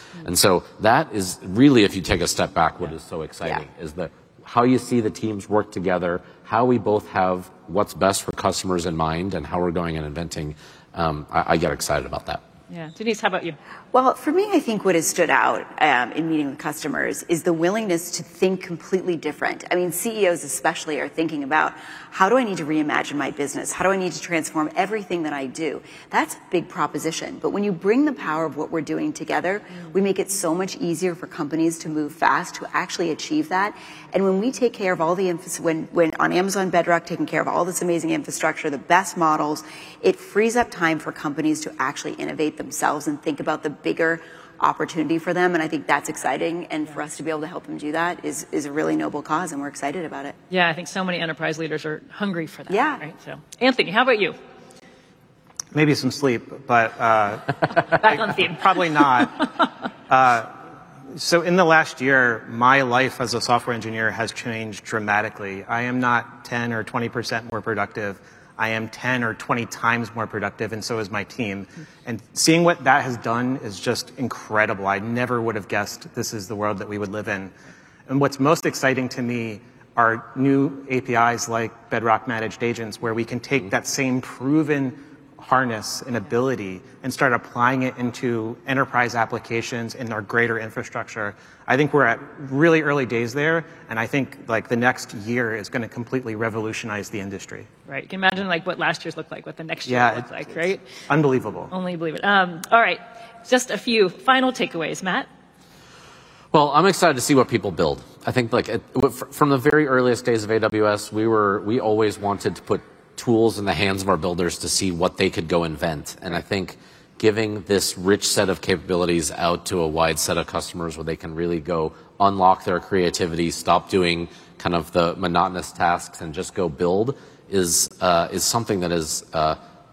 That is really if you take a step back. Yeah what is so exciting. Yeah... is the, how you see the teams work together, how we both have what's best for customers in mind, and how we're going and inventing, I get excited about that. Yeah. Denise, how about you? Well, for me, I think what has stood out, in meeting with customers is the willingness to think completely different. I mean, CEOs especially are thinking about, "How do I need to reimagine my business? How do I need to transform everything that I do?" That's a big proposition. When you bring the power of what we're doing together. We make it so much easier for companies to move fast to actually achieve that. When on Amazon Bedrock, taking care of all this amazing infrastructure, the best models, it frees up time for companies to actually innovate themselves and think about the bigger opportunity for them, and I think that's exciting. Yeah. For us to be able to help them do that is a really noble cause, and we're excited about it. I think so many enterprise leaders are hungry for that. Yeah. Right? Anthony, how about you? Maybe some sleep, but. Back on feet. Probably not. In the last year, my life as a software engineer has changed dramatically. I am not 10% or 20% more productive. I am 10 or 20x more productive, and so is my team. Seeing what that has done is just incredible. I never would've guessed this is the world that we would live in. What's most exciting to me are new APIs like Bedrock Managed Agents, where we can take that same proven harness and ability and start applying it into enterprise applications in our greater infrastructure. I think we're at really early days there, and I think, like, the next year is gonna completely revolutionize the industry. Right. You can imagine, like, what last year's looked like, what the next year looks like, right? Yeah. It's unbelievable. Only believe it. All right. Just a few final takeaways, Matt? Well, I'm excited to see what people build. I think, like, from the very earliest days of AWS, we always wanted to put tools in the hands of our builders to see what they could go invent. I think giving this rich set of capabilities out to a wide set of customers where they can really go unlock their creativity, stop doing kind of the monotonous tasks, and just go build is something that is,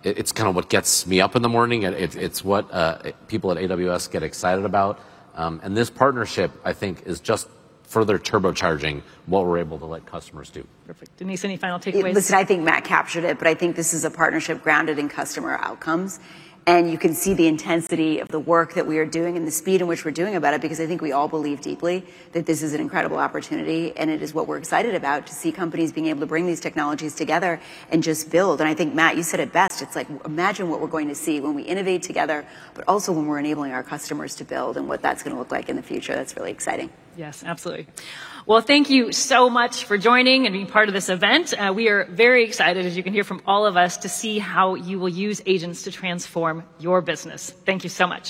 it's kind of what gets me up in the morning. It's what people at AWS get excited about. This partnership, I think, is just further turbocharging what we're able to let customers do. Perfect. Denise, any final takeaways? Listen, I think Matt captured it. I think this is a partnership grounded in customer outcomes. You can see the intensity of the work that we are doing and the speed in which we're doing about it because I think we all believe deeply that this is an incredible opportunity. It is what we're excited about, to see companies being able to bring these technologies together and just build. I think, Matt, you said it best. It's like, imagine what we're going to see when we innovate together, but also when we're enabling our customers to build and what that's gonna look like in the future. That's really exciting. Yes, absolutely. Thank you so much for joining and being part of this event. We are very excited, as you can hear from all of us, to see how you will use agents to transform your business. Thank you so much.